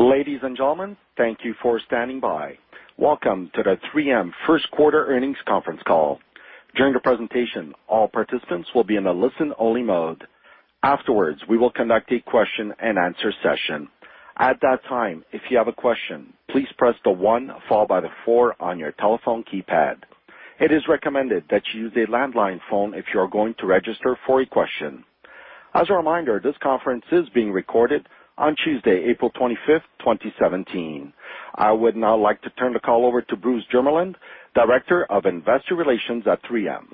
Ladies and gentlemen, thank you for standing by. Welcome to the 3M first quarter earnings conference call. During the presentation, all participants will be in a listen-only mode. Afterwards, we will conduct a question-and-answer session. At that time, if you have a question, please press the one followed by the four on your telephone keypad. It is recommended that you use a landline phone if you are going to register for a question. As a reminder, this conference is being recorded on Tuesday, April 25th, 2017. I would now like to turn the call over to Bruce Jermeland, Director of Investor Relations at 3M.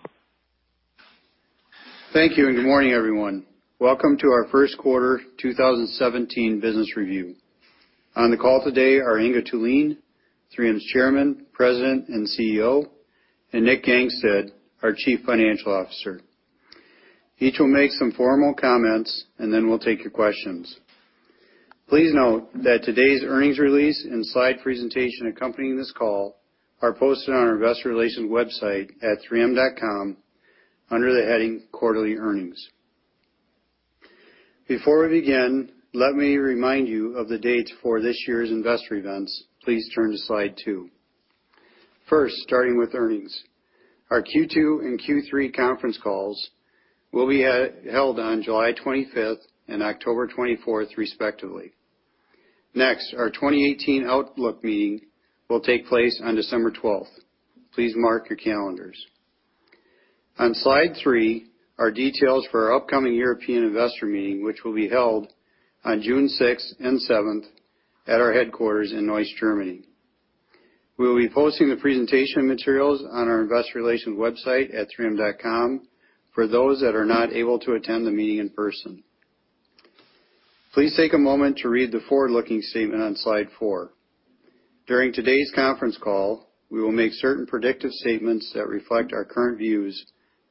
Thank you. Good morning, everyone. Welcome to our first quarter 2017 business review. On the call today are Inge Thulin, 3M's Chairman, President, and CEO, and Nick Gangestad, our Chief Financial Officer. Each will make some formal comments, and then we'll take your questions. Please note that today's earnings release and slide presentation accompanying this call are posted on our investor relations website at 3m.com under the heading Quarterly Earnings. Before we begin, let me remind you of the dates for this year's investor events. Please turn to slide two. First, starting with earnings. Our Q2 and Q3 conference calls will be held on July 25th and October 24th respectively. Next, our 2018 outlook meeting will take place on December 12th. Please mark your calendars. On slide three are details for our upcoming European investor meeting, which will be held on June 6th and 7th at our headquarters in Neuss, Germany. We'll be posting the presentation materials on our investor relations website at 3m.com for those that are not able to attend the meeting in person. Please take a moment to read the forward-looking statement on slide four. During today's conference call, we will make certain predictive statements that reflect our current views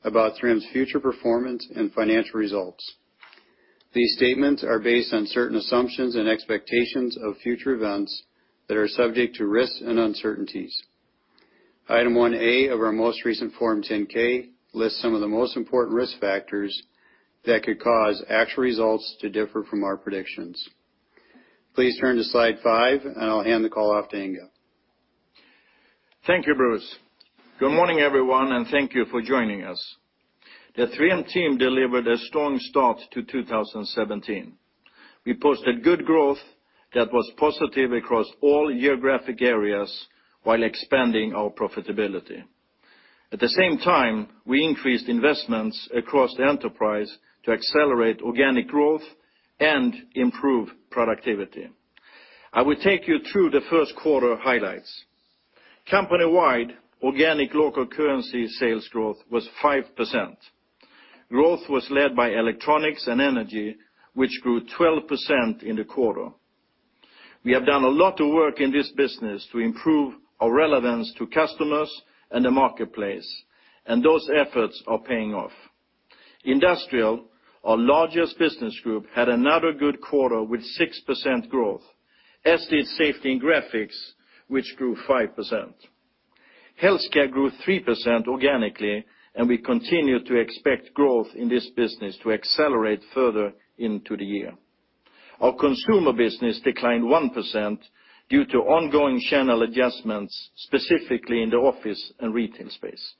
about 3M's future performance and financial results. These statements are based on certain assumptions and expectations of future events that are subject to risks and uncertainties. Item 1A of our most recent Form 10-K lists some of the most important risk factors that could cause actual results to differ from our predictions. Please turn to slide five. I'll hand the call off to Inge. Thank you, Bruce. Good morning, everyone. Thank you for joining us. The 3M team delivered a strong start to 2017. We posted good growth that was positive across all geographic areas while expanding our profitability. At the same time, we increased investments across the enterprise to accelerate organic growth and improve productivity. I will take you through the first quarter highlights. Company-wide, organic local currency sales growth was 5%. Growth was led by electronics and energy, which grew 12% in the quarter. We have done a lot of work in this business to improve our relevance to customers and the marketplace, and those efforts are paying off. Industrial, our largest business group, had another good quarter with 6% growth, as did Safety and Graphics, which grew 5%. Healthcare grew 3% organically, and we continue to expect growth in this business to accelerate further into the year. Our consumer business declined 1% due to ongoing channel adjustments, specifically in the office and retail space.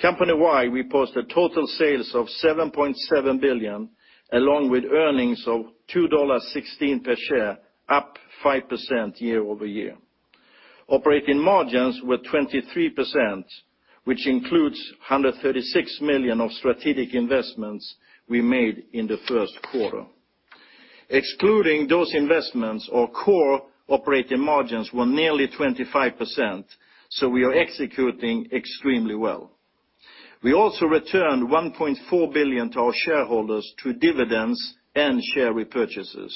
Company-wide, we posted total sales of $7.7 billion, along with earnings of $2.16 per share, up 5% year-over-year. Operating margins were 23%, which includes $136 million of strategic investments we made in the first quarter. Excluding those investments, our core operating margins were nearly 25%. We are executing extremely well. We also returned $1.4 billion to our shareholders through dividends and share repurchases.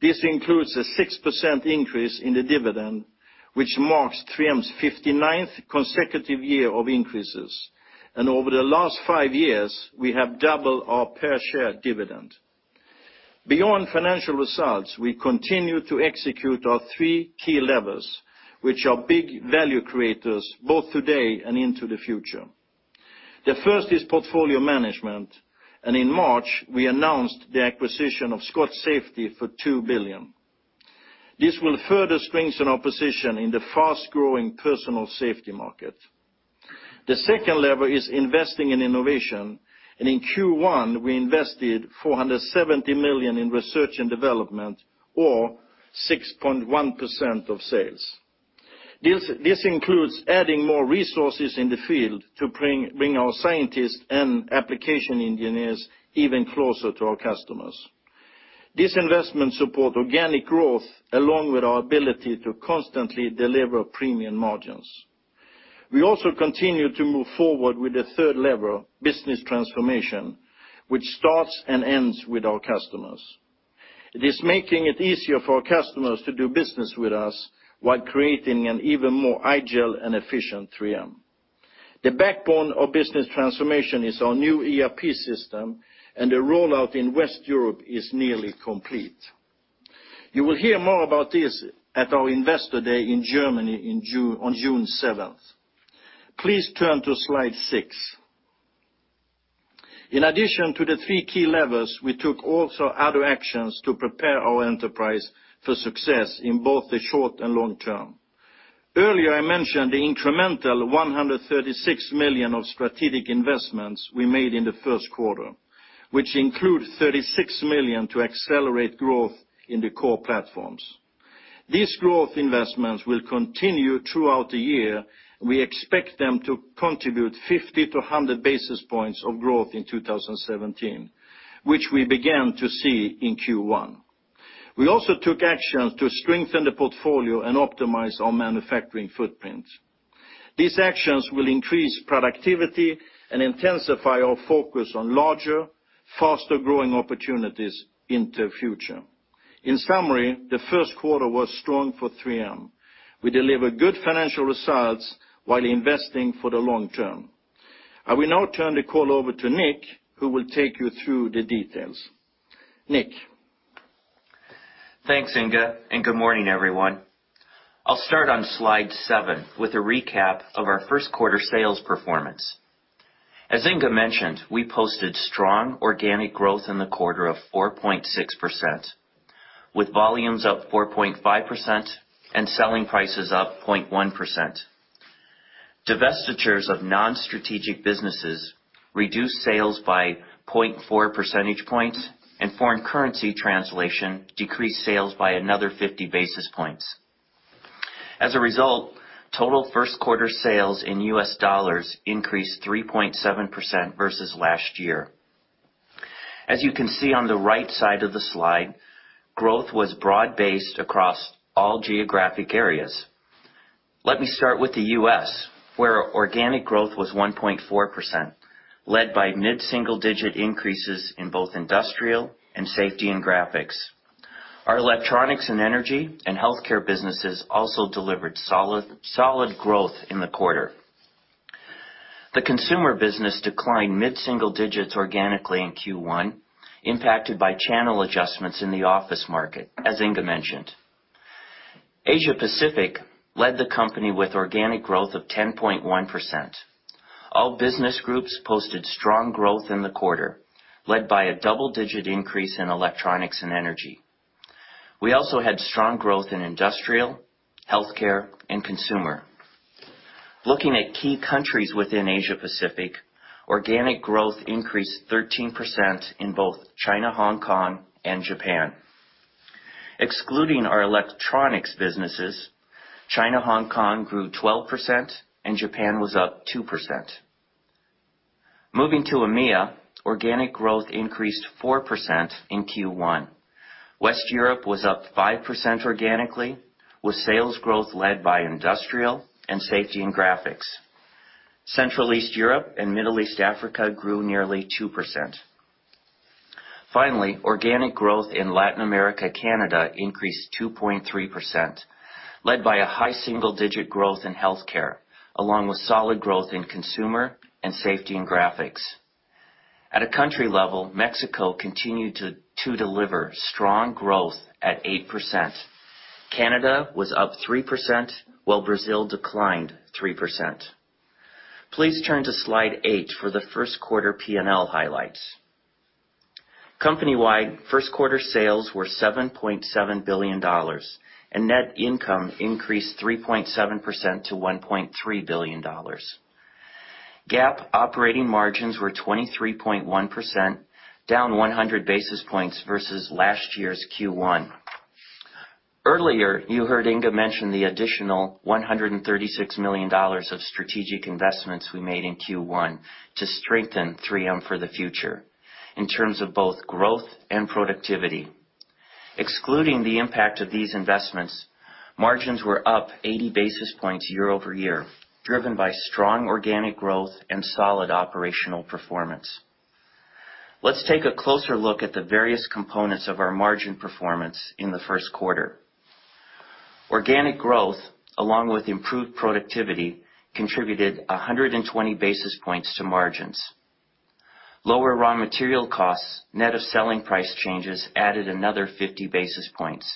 This includes a 6% increase in the dividend, which marks 3M's 59th consecutive year of increases. Over the last five years, we have doubled our per-share dividend. Beyond financial results, we continue to execute our three key levers, which are big value creators both today and into the future. The first is portfolio management. In March, we announced the acquisition of Scott Safety for $2 billion. This will further strengthen our position in the fast-growing personal safety market. The second lever is investing in innovation. In Q1, we invested $470 million in research and development, or 6.1% of sales. This includes adding more resources in the field to bring our scientists and application engineers even closer to our customers. This investment support organic growth, along with our ability to constantly deliver premium margins. We also continue to move forward with the third lever, business transformation, which starts and ends with our customers. It is making it easier for our customers to do business with us while creating an even more agile and efficient 3M. The backbone of business transformation is our new ERP system. The rollout in West Europe is nearly complete. You will hear more about this at our investor day in Germany on June 7th. Please turn to slide six. In addition to the three key levers, we took also other actions to prepare our enterprise for success in both the short and long term. Earlier I mentioned the incremental $136 million of strategic investments we made in the first quarter, which include $36 million to accelerate growth in the core platforms. These growth investments will continue throughout the year. We expect them to contribute 50-100 basis points of growth in 2017, which we began to see in Q1. We also took actions to strengthen the portfolio and optimize our manufacturing footprint. These actions will increase productivity and intensify our focus on larger, faster-growing opportunities into the future. In summary, the first quarter was strong for 3M. We delivered good financial results while investing for the long term. I will now turn the call over to Nick, who will take you through the details. Nick? Thanks, Inge, and good morning, everyone. I'll start on slide seven with a recap of our first quarter sales performance. As Inge mentioned, we posted strong organic growth in the quarter of 4.6%, with volumes up 4.5% and selling prices up 0.1%. Divestitures of non-strategic businesses reduced sales by 0.4 percentage points, and foreign currency translation decreased sales by another 50 basis points. As a result, total first quarter sales in U.S. dollars increased 3.7% versus last year. As you can see on the right side of the slide, growth was broad-based across all geographic areas. Let me start with the U.S., where organic growth was 1.4%, led by mid-single-digit increases in both industrial and safety and graphics. Our electronics and energy and healthcare businesses also delivered solid growth in the quarter. The consumer business declined mid-single digits organically in Q1, impacted by channel adjustments in the office market, as Inge mentioned. Asia-Pacific led the company with organic growth of 10.1%. All business groups posted strong growth in the quarter, led by a double-digit increase in electronics and energy. We also had strong growth in industrial, healthcare, and consumer. Looking at key countries within Asia-Pacific, organic growth increased 13% in both China, Hong Kong, and Japan. Excluding our electronics businesses, China, Hong Kong grew 12%, and Japan was up 2%. Moving to EMEA, organic growth increased 4% in Q1. West Europe was up 5% organically, with sales growth led by industrial and safety and graphics. Central East Europe and Middle East Africa grew nearly 2%. Finally, organic growth in Latin America, Canada increased 2.3%, led by a high single-digit growth in healthcare, along with solid growth in consumer and safety and graphics. At a country level, Mexico continued to deliver strong growth at 8%. Canada was up 3%, while Brazil declined 3%. Please turn to slide eight for the first quarter P&L highlights. Company-wide first quarter sales were $7.7 billion, and net income increased 3.7% to $1.3 billion. GAAP operating margins were 23.1%, down 100 basis points versus last year's Q1. Earlier, you heard Inge mention the additional $136 million of strategic investments we made in Q1 to strengthen 3M for the future in terms of both growth and productivity. Excluding the impact of these investments, margins were up 80 basis points year-over-year, driven by strong organic growth and solid operational performance. Let's take a closer look at the various components of our margin performance in the first quarter. Organic growth, along with improved productivity, contributed 120 basis points to margins. Lower raw material costs, net of selling price changes, added another 50 basis points.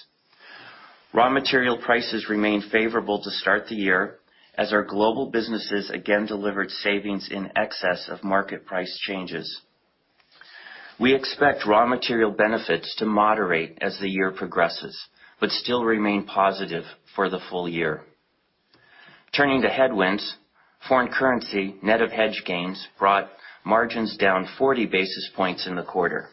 Raw material prices remained favorable to start the year as our global businesses again delivered savings in excess of market price changes. We expect raw material benefits to moderate as the year progresses, but still remain positive for the full year. Turning to headwinds, foreign currency net of hedge gains brought margins down 40 basis points in the quarter.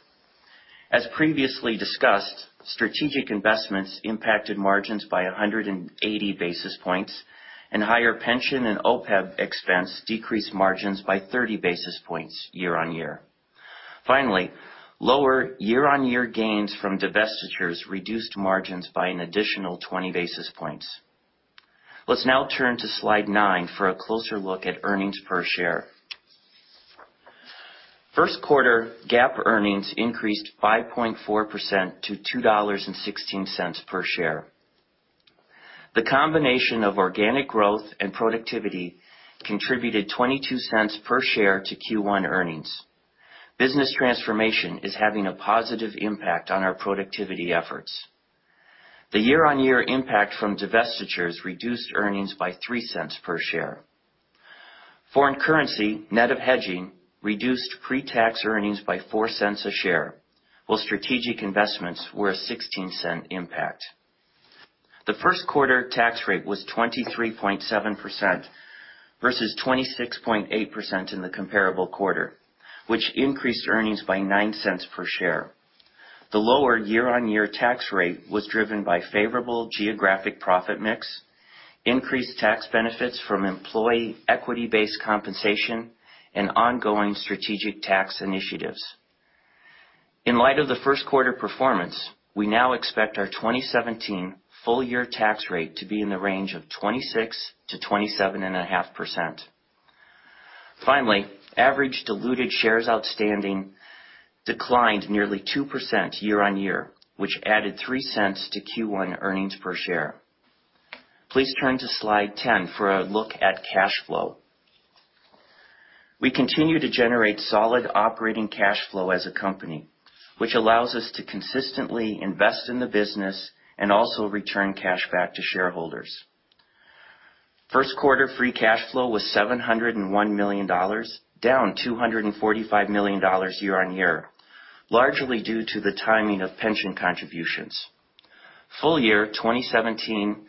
As previously discussed, strategic investments impacted margins by 180 basis points, and higher pension and OPEB expense decreased margins by 30 basis points year-on-year. Finally, lower year-on-year gains from divestitures reduced margins by an additional 20 basis points. Let's now turn to slide nine for a closer look at earnings per share. First quarter GAAP earnings increased 5.4% to $2.16 per share. The combination of organic growth and productivity contributed $0.22 per share to Q1 earnings. Business transformation is having a positive impact on our productivity efforts. The year-on-year impact from divestitures reduced earnings by $0.03 per share. Foreign currency net of hedging reduced pre-tax earnings by $0.04 a share, while strategic investments were a $0.16 impact. The first quarter tax rate was 23.7% versus 26.8% in the comparable quarter, which increased earnings by $0.09 per share. The lower year-on-year tax rate was driven by favorable geographic profit mix, increased tax benefits from employee equity-based compensation, and ongoing strategic tax initiatives. In light of the first quarter performance, we now expect our 2017 full-year tax rate to be in the range of 26%-27.5%. Finally, average diluted shares outstanding declined nearly 2% year-on-year, which added $0.03 to Q1 earnings per share. Please turn to Slide 10 for a look at cash flow. We continue to generate solid operating cash flow as a company, which allows us to consistently invest in the business and also return cash back to shareholders. First quarter free cash flow was $701 million, down $245 million year-on-year, largely due to the timing of pension contributions. Full year 2017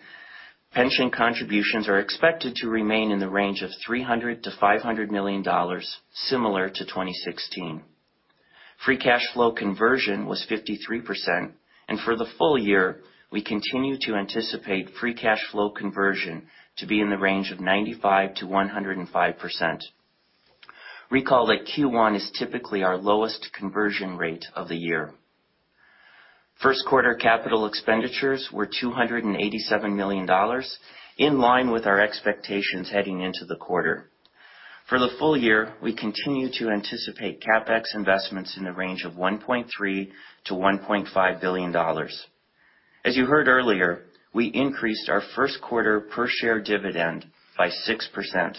pension contributions are expected to remain in the range of $300 million-$500 million, similar to 2016. Free cash flow conversion was 53%, and for the full year, we continue to anticipate free cash flow conversion to be in the range of 95%-105%. Recall that Q1 is typically our lowest conversion rate of the year. First quarter capital expenditures were $287 million, in line with our expectations heading into the quarter. For the full year, we continue to anticipate CapEx investments in the range of $1.3 billion-$1.5 billion. As you heard earlier, we increased our first quarter per share dividend by 6%,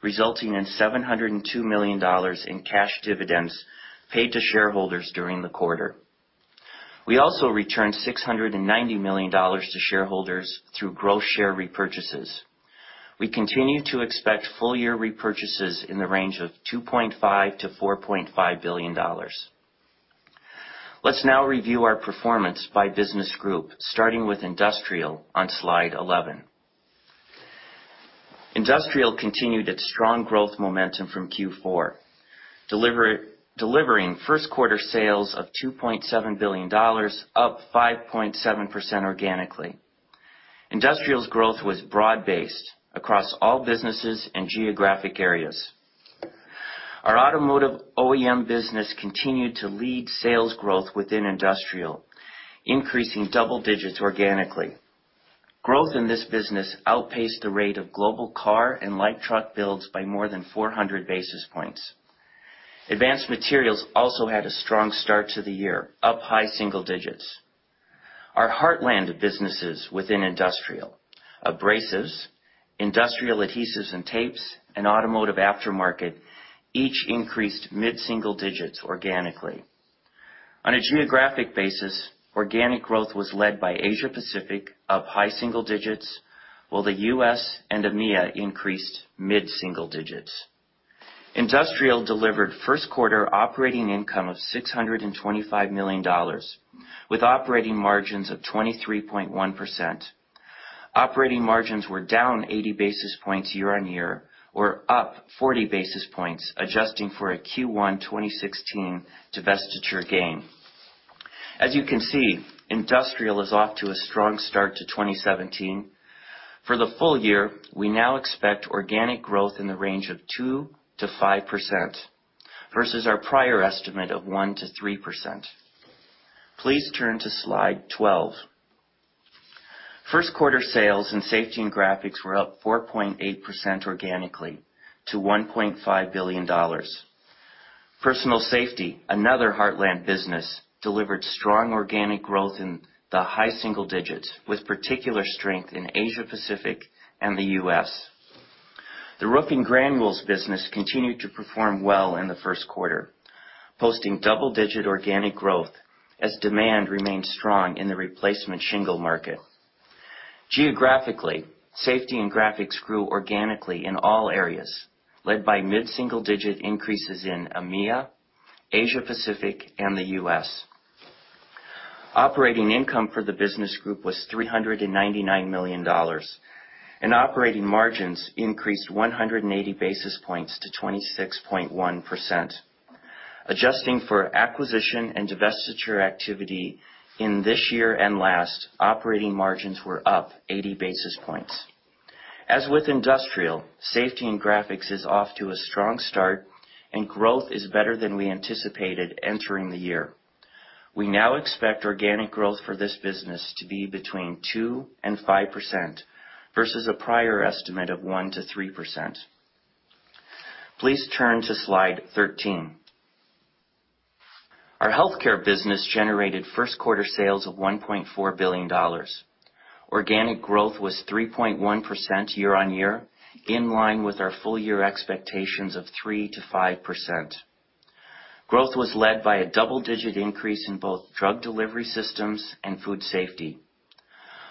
resulting in $702 million in cash dividends paid to shareholders during the quarter. We also returned $690 million to shareholders through gross share repurchases. We continue to expect full year repurchases in the range of $2.5 billion-$4.5 billion. Let's now review our performance by business group, starting with Industrial on Slide 11. Industrial continued its strong growth momentum from Q4, delivering first quarter sales of $2.7 billion, up 5.7% organically. Industrial's growth was broad-based across all businesses and geographic areas. Our automotive OEM business continued to lead sales growth within Industrial, increasing double digits organically. Growth in this business outpaced the rate of global car and light truck builds by more than 400 basis points. Advanced materials also had a strong start to the year, up high single digits. Our heartland businesses within Industrial, abrasives, industrial adhesives and tapes, and automotive aftermarket, each increased mid-single digits organically. On a geographic basis, organic growth was led by Asia Pacific up high single digits, while the U.S. and EMEA increased mid-single digits. Industrial delivered first quarter operating income of $625 million with operating margins of 23.1%. Operating margins were down 80 basis points year-on-year or up 40 basis points, adjusting for a Q1 2016 divestiture gain. As you can see, Industrial is off to a strong start to 2017. For the full year, we now expect organic growth in the range of 2%-5% versus our prior estimate of 1%-3%. Please turn to Slide 12. First quarter sales in Safety and Graphics were up 4.8% organically to $1.5 billion. Personal Safety, another heartland business, delivered strong organic growth in the high single digits, with particular strength in Asia Pacific and the U.S. The roofing granules business continued to perform well in the first quarter, posting double-digit organic growth as demand remained strong in the replacement shingle market. Geographically, Safety and Graphics grew organically in all areas, led by mid-single-digit increases in EMEA, Asia Pacific, and the U.S. Operating income for the business group was $399 million, and operating margins increased 180 basis points to 26.1%. Adjusting for acquisition and divestiture activity in this year and last, operating margins were up 80 basis points. As with Industrial, Safety and Graphics is off to a strong start, and growth is better than we anticipated entering the year. We now expect organic growth for this business to be between 2% and 5% versus a prior estimate of 1% to 3%. Please turn to slide 13. Our Healthcare business generated first quarter sales of $1.4 billion. Organic growth was 3.1% year-on-year, in line with our full year expectations of 3% to 5%. Growth was led by a double-digit increase in both drug delivery systems and food safety.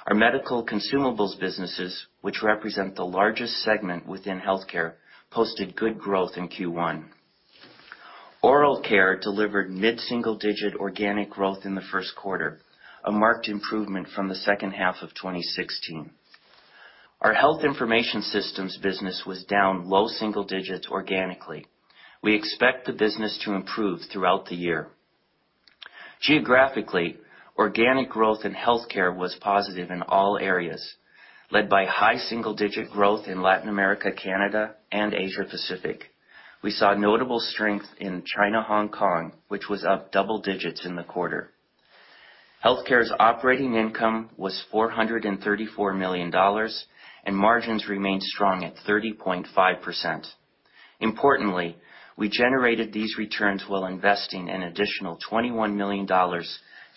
Our medical consumables businesses, which represent the largest segment within Healthcare, posted good growth in Q1. Oral Care delivered mid-single-digit organic growth in the first quarter, a marked improvement from the second half of 2016. Our health information systems business was down low single digits organically. We expect the business to improve throughout the year. Geographically, organic growth in Healthcare was positive in all areas, led by high single-digit growth in Latin America, Canada, and Asia Pacific. We saw notable strength in China, Hong Kong, which was up double digits in the quarter. Healthcare's operating income was $434 million, and margins remained strong at 30.5%. Importantly, we generated these returns while investing an additional $21 million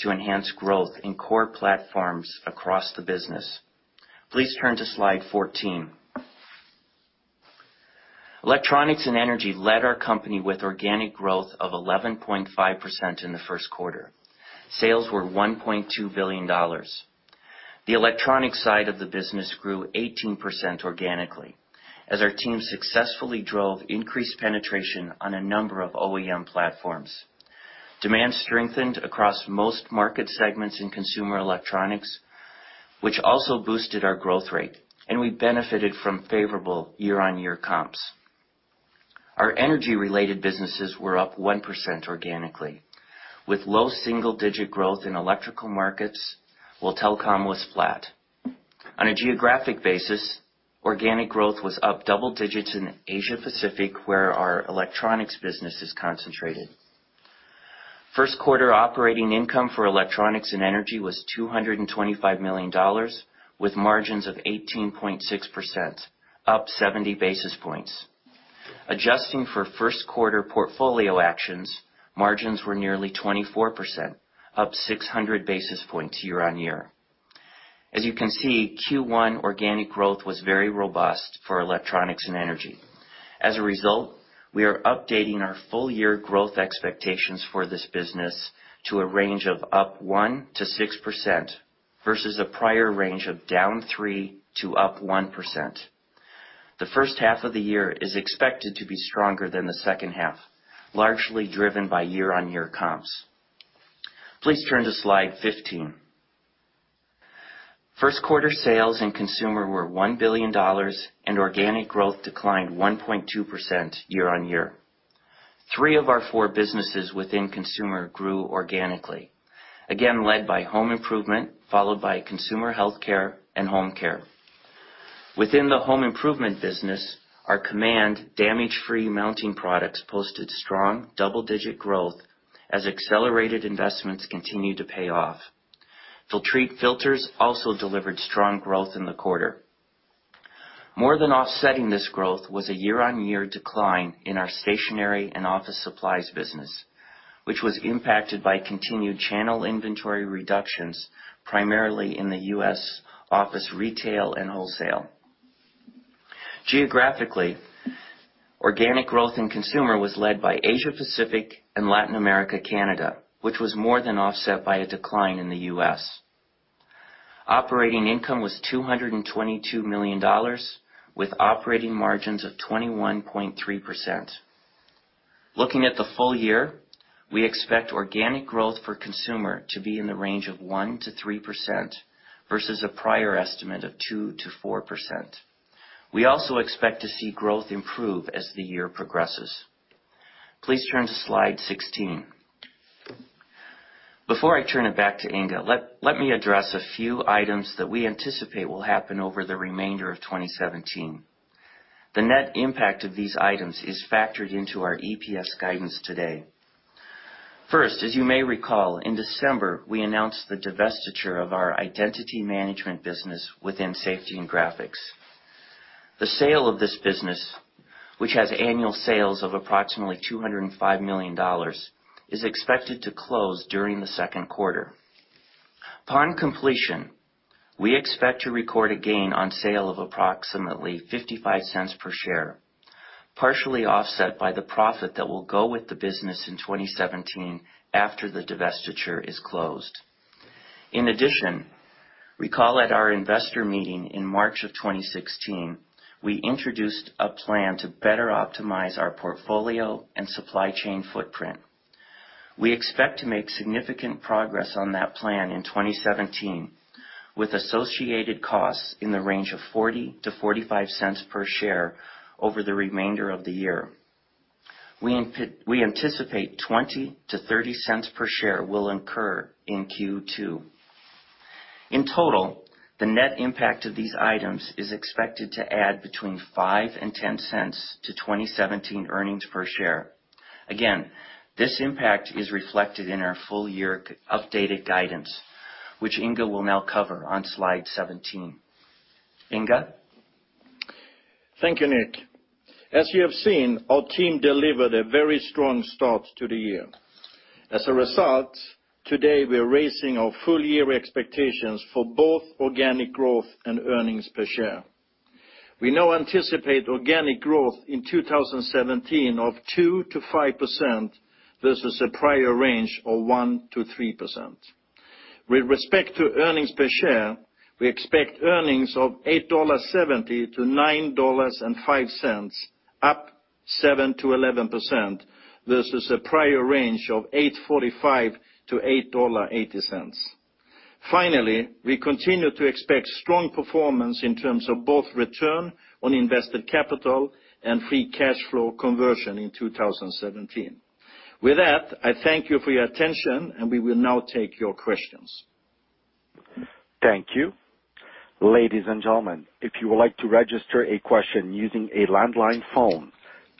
to enhance growth in core platforms across the business. Please turn to slide 14. Electronics and Energy led our company with organic growth of 11.5% in the first quarter. Sales were $1.2 billion. The electronic side of the business grew 18% organically as our team successfully drove increased penetration on a number of OEM platforms. Demand strengthened across most market segments in consumer electronics, which also boosted our growth rate, and we benefited from favorable year-on-year comps. Our energy-related businesses were up 1% organically, with low single-digit growth in electrical markets, while telecom was flat. On a geographic basis, organic growth was up double digits in Asia Pacific, where our electronics business is concentrated. First quarter operating income for Electronics and Energy was $225 million, with margins of 18.6%, up 70 basis points. Adjusting for first quarter portfolio actions, margins were nearly 24%, up 600 basis points year-on-year. As you can see, Q1 organic growth was very robust for Electronics and Energy. As a result, we are updating our full year growth expectations for this business to a range of up 1% to 6%, versus a prior range of down 3% to up 1%. The first half of the year is expected to be stronger than the second half, largely driven by year-on-year comps. Please turn to slide 15. First quarter sales in Consumer were $1 billion, and organic growth declined 1.2% year-on-year. Three of our four businesses within Consumer grew organically, again led by Home Improvement, followed by Consumer Healthcare and Home Care. Within the home improvement business, our Command damage-free mounting products posted strong double-digit growth as accelerated investments continue to pay off. Filtrete filters also delivered strong growth in the quarter. More than offsetting this growth was a year-on-year decline in our stationery and office supplies business, which was impacted by continued channel inventory reductions, primarily in the U.S. office, retail, and wholesale. Geographically, organic growth in consumer was led by Asia Pacific and Latin America, Canada, which was more than offset by a decline in the U.S. Operating income was $222 million, with operating margins of 21.3%. Looking at the full year, we expect organic growth for consumer to be in the range of 1%-3%, versus a prior estimate of 2%-4%. We also expect to see growth improve as the year progresses. Please turn to slide 16. Before I turn it back to Inge, let me address a few items that we anticipate will happen over the remainder of 2017. The net impact of these items is factored into our EPS guidance today. First, as you may recall, in December, we announced the divestiture of our identity management business within safety and graphics. The sale of this business, which has annual sales of approximately $205 million, is expected to close during the second quarter. Upon completion, we expect to record a gain on sale of approximately $0.55 per share, partially offset by the profit that will go with the business in 2017 after the divestiture is closed. In addition, recall at our investor meeting in March of 2016, we introduced a plan to better optimize our portfolio and supply chain footprint. We expect to make significant progress on that plan in 2017, with associated costs in the range of $0.40-$0.45 per share over the remainder of the year. We anticipate $0.20-$0.30 per share will incur in Q2. In total, the net impact of these items is expected to add between $0.05 and $0.10 to 2017 earnings per share. Again, this impact is reflected in our full year updated guidance, which Inge will now cover on slide 17. Inge? Thank you, Nick. As you have seen, our team delivered a very strong start to the year. As a result, today we're raising our full year expectations for both organic growth and earnings per share. We now anticipate organic growth in 2017 of 2%-5%, versus a prior range of 1%-3%. With respect to earnings per share, we expect earnings of $8.70-$9.05, up 7%-11%, versus a prior range of $8.45-$8.80. Finally, we continue to expect strong performance in terms of both return on invested capital and free cash flow conversion in 2017. With that, I thank you for your attention, and we will now take your questions. Thank you. Ladies and gentlemen, if you would like to register a question using a landline phone,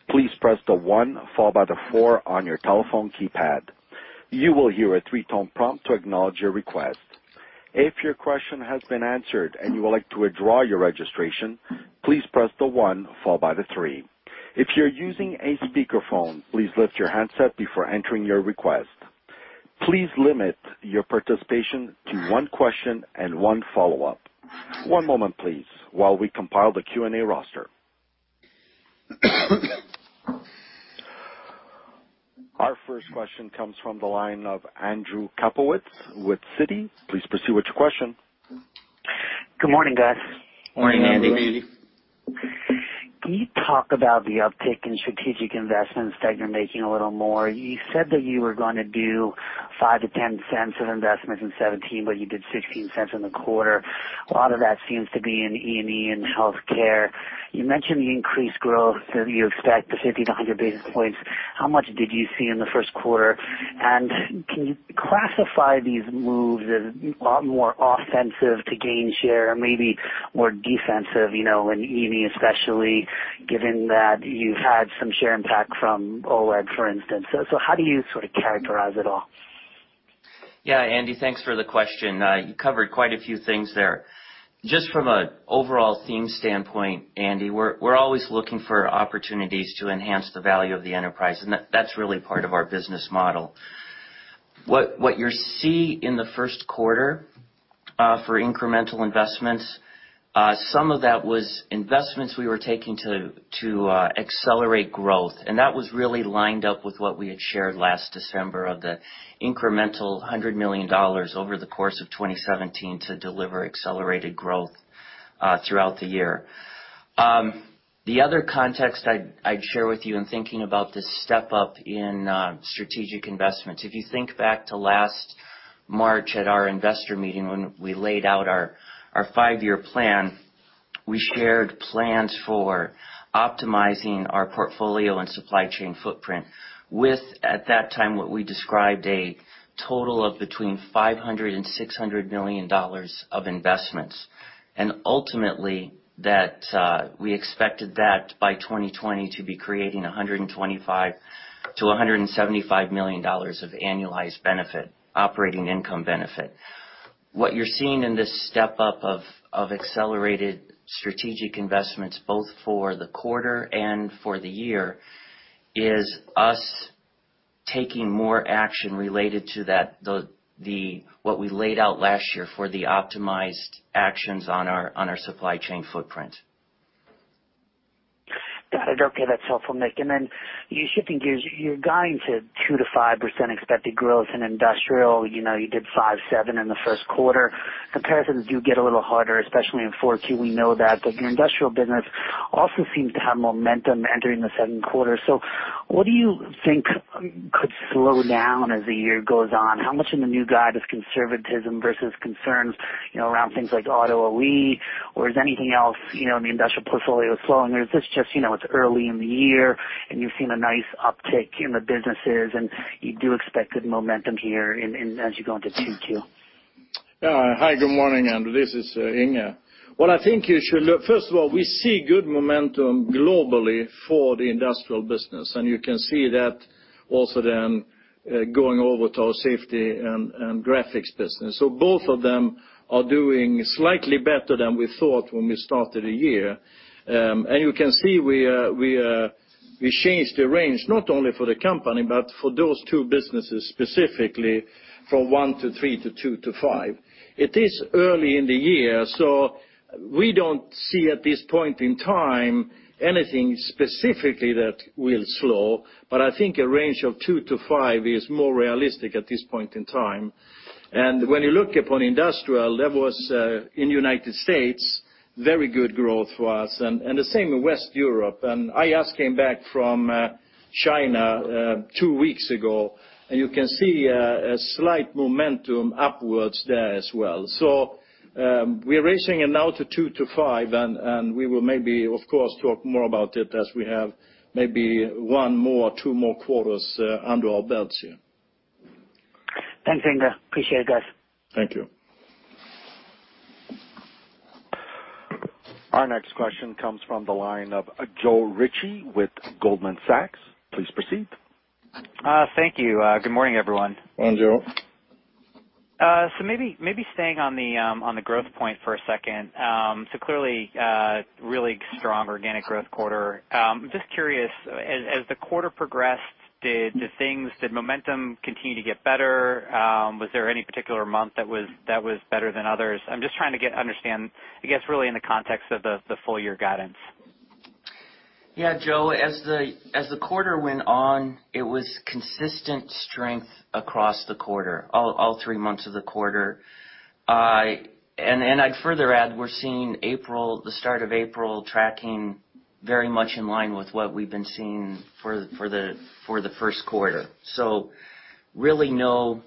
please press the one followed by the four on your telephone keypad. You will hear a three-tone prompt to acknowledge your request. If your question has been answered and you would like to withdraw your registration, please press the one followed by the three. If you're using a speakerphone, please lift your handset before entering your request. Please limit your participation to one question and one follow-up. One moment, please, while we compile the Q&A roster. Our first question comes from the line of Andrew Kaplowitz with Citi. Please proceed with your question. Good morning, guys. Morning, Andy. Morning, Andy. Can you talk about the uptick in strategic investments that you're making a little more? You said that you were going to do $0.05-$0.10 of investments in 2017, but you did $0.16 in the quarter. A lot of that seems to be in E&E and healthcare. You mentioned the increased growth that you expect, the 50-100 basis points. How much did you see in the first quarter? Can you classify these moves as a lot more offensive to gain share, maybe more defensive, in E&E especially, given that you've had some share impact from OLED, for instance. How do you characterize it all? Yeah, Andy, thanks for the question. You covered quite a few things there. Just from an overall theme standpoint, Andy, we're always looking for opportunities to enhance the value of the enterprise. That's really part of our business model. What you see in the first quarter for incremental investments, some of that was investments we were taking to accelerate growth, That was really lined up with what we had shared last December of the incremental $100 million over the course of 2017 to deliver accelerated growth throughout the year. The other context I'd share with you in thinking about this step up in strategic investments, if you think back to last March at our investor meeting when we laid out our five-year plan, we shared plans for optimizing our portfolio and supply chain footprint with, at that time, what we described a total of between $500 million-$600 million of investments. Ultimately, we expected that by 2020 to be creating $125 million-$175 million of annualized benefit, operating income benefit. What you're seeing in this step-up of accelerated strategic investments, both for the quarter and for the year, is us taking more action related to what we laid out last year for the optimized actions on our supply chain footprint. Got it. Okay. That's helpful, Nick. You're guiding to 2%-5% expected growth in industrial. You did 5%, 7% in the first quarter. Comparisons do get a little harder, especially in Q4, we know that. Your industrial business also seems to have momentum entering the second quarter. What do you think could slow down as the year goes on? How much in the new guide is conservatism versus concerns around things like auto OEM, or is anything else in the industrial portfolio slowing? Is this just, it's early in the year, and you've seen a nice uptick in the businesses, and you do expect good momentum here as you go into Q2? Hi, good morning, Andrew Kaplowitz. This is Inge. First of all, we see good momentum globally for the industrial business, you can see that also then going over to our safety and graphics business. Both of them are doing slightly better than we thought when we started the year. You can see we changed the range, not only for the company, but for those two businesses specifically from 1%-3% to 2%-5%. It is early in the year, we don't see at this point in time anything specifically that will slow, I think a range of 2%-5% is more realistic at this point in time. When you look upon industrial, that was, in U.S., very good growth for us, and the same in West Europe. I just came back from China two weeks ago, you can see a slight momentum upwards there as well. We're raising it now to 2%-5%, we will maybe, of course, talk more about it as we have maybe one more, two more quarters under our belts here. Thanks, Inge. Appreciate it, guys. Thank you. Our next question comes from the line of Joe Ritchie with Goldman Sachs. Please proceed. Thank you. Good morning, everyone. Morning, Joe. Maybe staying on the growth point for a second. Clearly, really strong organic growth quarter. Just curious, as the quarter progressed, did momentum continue to get better? Was there any particular month that was better than others? I'm just trying to understand, I guess, really in the context of the full-year guidance. Joe, as the quarter went on, it was consistent strength across the quarter, all three months of the quarter. I'd further add, we're seeing the start of April tracking very much in line with what we've been seeing for the first quarter. Really no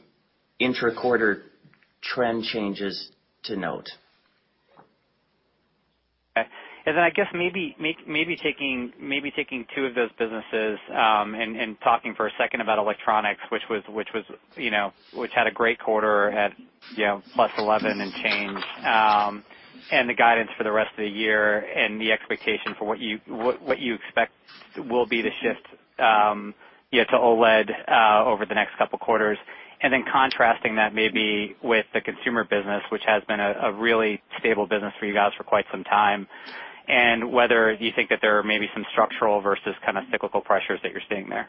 intra-quarter trend changes to note. Okay. Then, I guess maybe taking two of those businesses, talking for a second about electronics, which had a great quarter at plus 11 and change, the guidance for the rest of the year, the expectation for what you expect will be the shift to OLED over the next couple of quarters. Then contrasting that maybe with the consumer business, which has been a really stable business for you guys for quite some time, whether you think that there are maybe some structural versus kind of cyclical pressures that you're seeing there.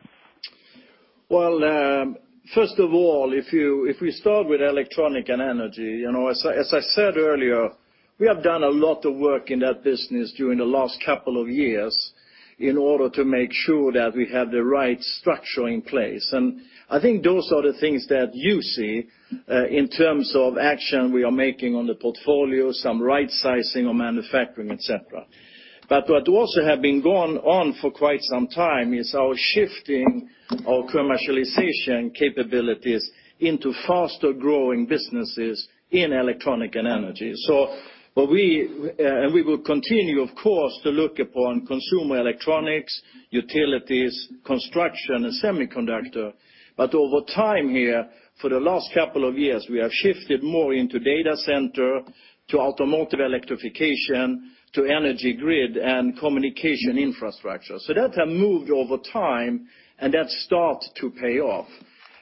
Well, first of all, if we start with electronic and energy, as I said earlier, we have done a lot of work in that business during the last couple of years in order to make sure that we have the right structure in place. I think those are the things that you see in terms of action we are making on the portfolio, some right-sizing of manufacturing, et cetera. What also have been going on for quite some time is our shifting our commercialization capabilities into faster-growing businesses in electronic and energy. We will continue, of course, to look upon consumer electronics, utilities, construction, and semiconductor. Over time here, for the last couple of years, we have shifted more into data center, to automotive electrification, to energy grid, and communication infrastructure. That has moved over time, and that start to pay off.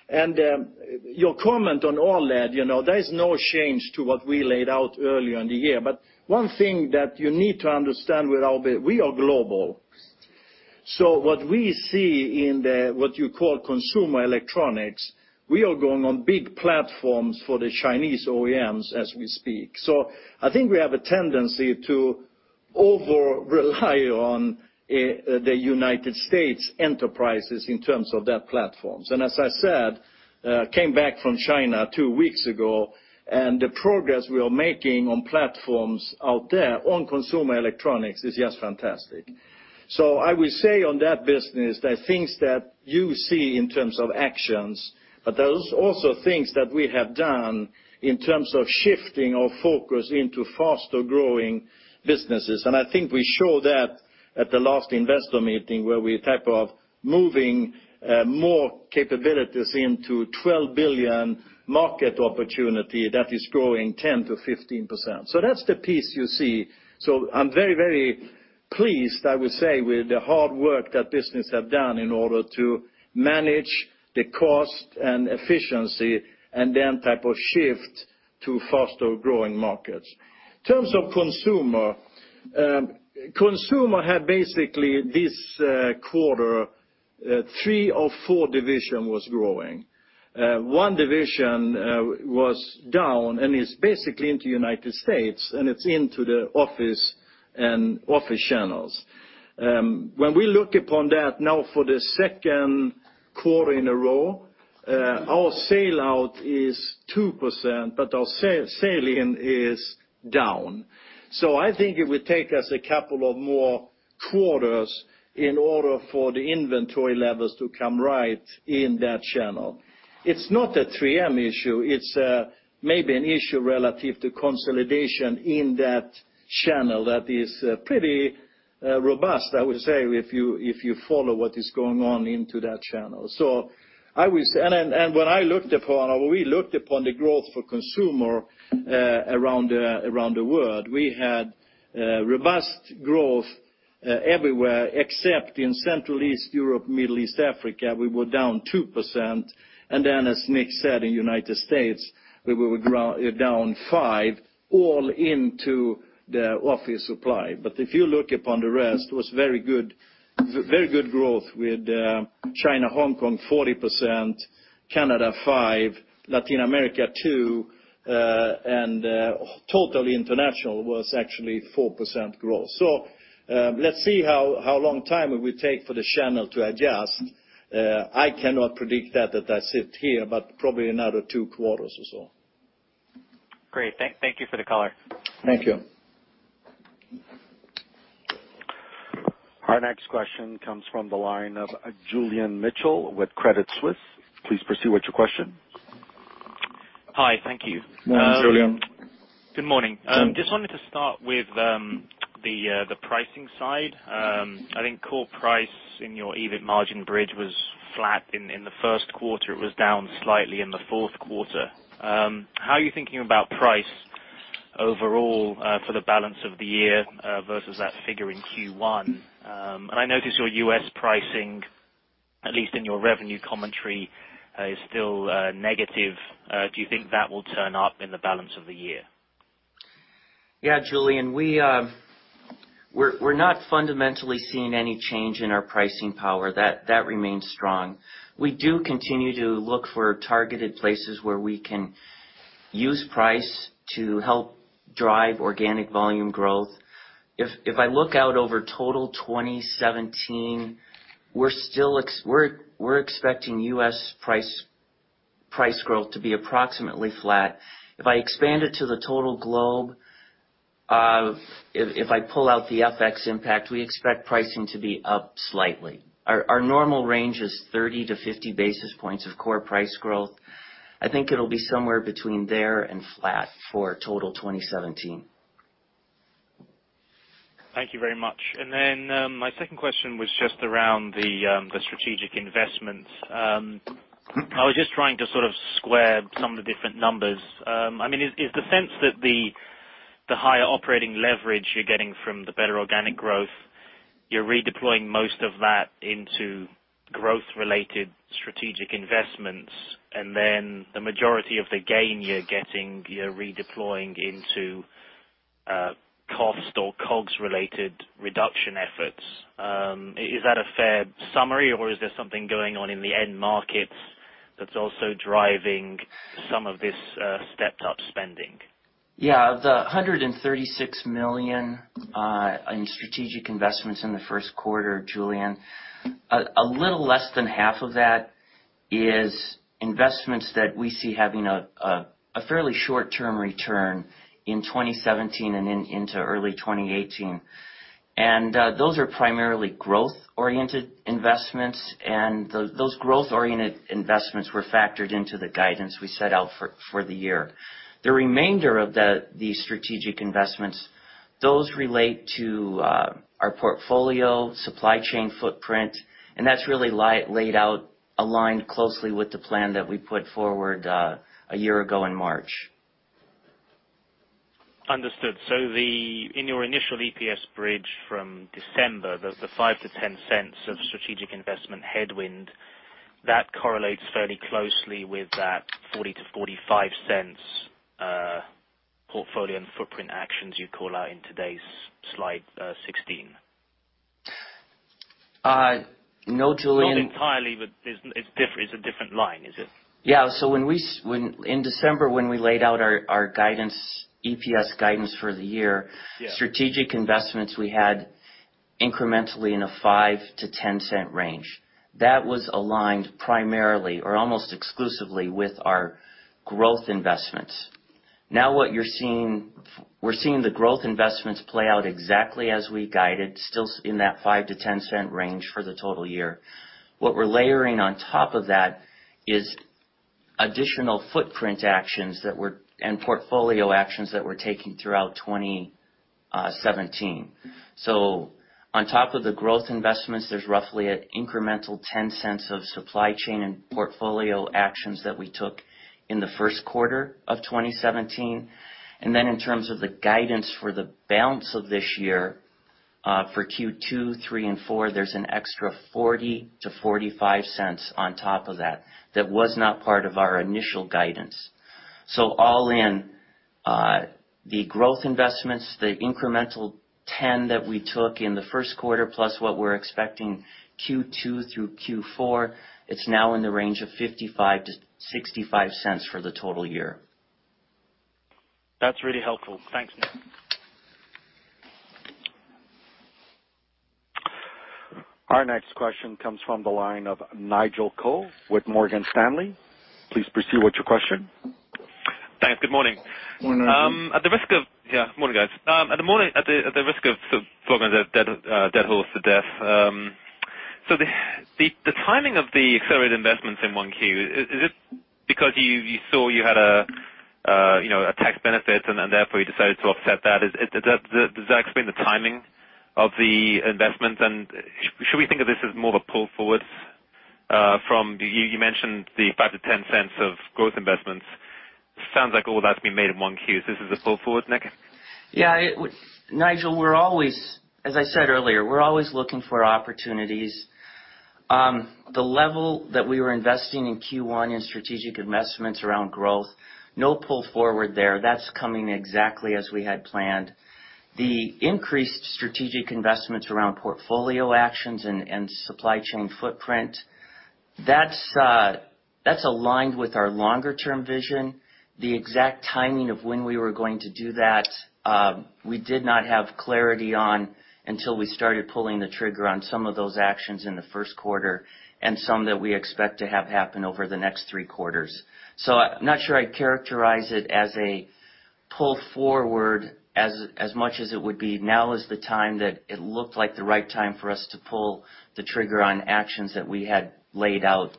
Your comment on OLED, there is no change to what we laid out earlier in the year. One thing that you need to understand with OLED, we are global. What we see in the, what you call consumer electronics, we are going on big platforms for the Chinese OEMs as we speak. I think we have a tendency to over-rely on the United States enterprises in terms of their platforms. As I said, came back from China two weeks ago, the progress we are making on platforms out there on consumer electronics is just fantastic. I will say on that business, the things that you see in terms of actions, but there's also things that we have done in terms of shifting our focus into faster-growing businesses. I think we show that at the last investor meeting, where we type of moving more capabilities into $12 billion market opportunity that is growing 10%-15%. That's the piece you see. I'm very, very pleased, I would say, with the hard work that business have done in order to manage the cost and efficiency, and then type of shift to faster-growing markets. In terms of consumer had basically this quarter, three or four division was growing. One division was down, and it's basically into U.S., and it's into the office channels. When we look upon that now for the second quarter in a row, our sell out is 2%, but our sell-in is down. I think it will take us a couple of more quarters in order for the inventory levels to come right in that channel. It's not a 3M issue. It's maybe an issue relative to consolidation in that channel that is pretty robust, I would say, if you follow what is going on into that channel. When we looked upon the growth for consumer around the world, we had robust growth everywhere except in Central East Europe, Middle East, Africa, we were down 2%. Then, as Nick said, in U.S., we were down 5%, all into the office supply. If you look upon the rest, it was very good growth with China, Hong Kong 40%, Canada 5%, Latin America 2%, and total international was actually 4% growth. Let's see how long time it will take for the channel to adjust. I cannot predict that as I sit here, but probably another two quarters or so. Great. Thank you for the color. Thank you. Our next question comes from the line of Julian Mitchell with Credit Suisse. Please proceed with your question. Hi. Thank you. Hi, Julian. Good morning. Just wanted to start with the pricing side. I think core price in your EBIT margin bridge was flat in the first quarter. It was down slightly in the fourth quarter. How are you thinking about price overall for the balance of the year versus that figure in Q1? I notice your U.S. pricing, at least in your revenue commentary, is still negative. Do you think that will turn up in the balance of the year? Yeah, Julian, we're not fundamentally seeing any change in our pricing power. That remains strong. We do continue to look for targeted places where we can Use price to help drive organic volume growth. If I look out over total 2017, we're expecting U.S. price growth to be approximately flat. If I expand it to the total globe, if I pull out the FX impact, we expect pricing to be up slightly. Our normal range is 30 to 50 basis points of core price growth. I think it'll be somewhere between there and flat for total 2017. Thank you very much. My second question was just around the strategic investments. I was just trying to sort of square some of the different numbers. Is the sense that the higher operating leverage you're getting from the better organic growth, you're redeploying most of that into growth-related strategic investments, and then the majority of the gain you're getting, you're redeploying into cost or COGS related reduction efforts. Is that a fair summary, or is there something going on in the end markets that's also driving some of this stepped-up spending? Yeah. Of the $136 million in strategic investments in the first quarter, Julian, a little less than half of that is investments that we see having a fairly short-term return in 2017 and into early 2018. Those are primarily growth-oriented investments, and those growth-oriented investments were factored into the guidance we set out for the year. The remainder of the strategic investments, those relate to our portfolio supply chain footprint, and that's really laid out, aligned closely with the plan that we put forward a year ago in March. Understood. In your initial EPS bridge from December, the $0.05 to $0.10 of strategic investment headwind, that correlates fairly closely with that $0.40 to $0.45 portfolio and footprint actions you call out in today's slide 16. No, Julian. Not entirely, but it's a different line, is it? Yeah. In December, when we laid out our EPS guidance for the year. Yeah strategic investments, we had incrementally in a $0.05-$0.10 range. That was aligned primarily or almost exclusively with our growth investments. What we're seeing the growth investments play out exactly as we guided, still in that $0.05-$0.10 range for the total year. What we're layering on top of that is additional footprint actions and portfolio actions that we're taking throughout 2017. On top of the growth investments, there's roughly an incremental $0.10 of supply chain and portfolio actions that we took in the first quarter of 2017. In terms of the guidance for the balance of this year, for Q2, Q3 and Q4, there's an extra $0.40-$0.45 on top of that was not part of our initial guidance. All in, the growth investments, the incremental 10 that we took in the first quarter, plus what we're expecting Q2 through Q4, it's now in the range of $0.55 to $0.65 for the total year. That's really helpful. Thanks, Nick. Our next question comes from the line of Nigel Coe with Morgan Stanley. Please proceed with your question. Thanks. Good morning. Good morning. Yeah. Morning, guys. At the risk of flogging the dead horse to death, the timing of the accelerated investments in 1Q, is it because you saw you had a tax benefit and therefore you decided to offset that? Does that explain the timing of the investments? Should we think of this as more of a pull forward from, you mentioned the $0.05-$0.10 of growth investments. Sounds like all that's been made in 1Q. Is this a pull forward, Nick? Yeah, Nigel, as I said earlier, we're always looking for opportunities. The level that we were investing in 1Q in strategic investments around growth, no pull forward there. That's coming exactly as we had planned. The increased strategic investments around portfolio actions and supply chain footprint, that's aligned with our longer-term vision. The exact timing of when we were going to do that, we did not have clarity on until we started pulling the trigger on some of those actions in the first quarter and some that we expect to have happen over the next 3 quarters. I'm not sure I'd characterize it as a pull forward as much as it would be, now is the time that it looked like the right time for us to pull the trigger on actions that we had laid out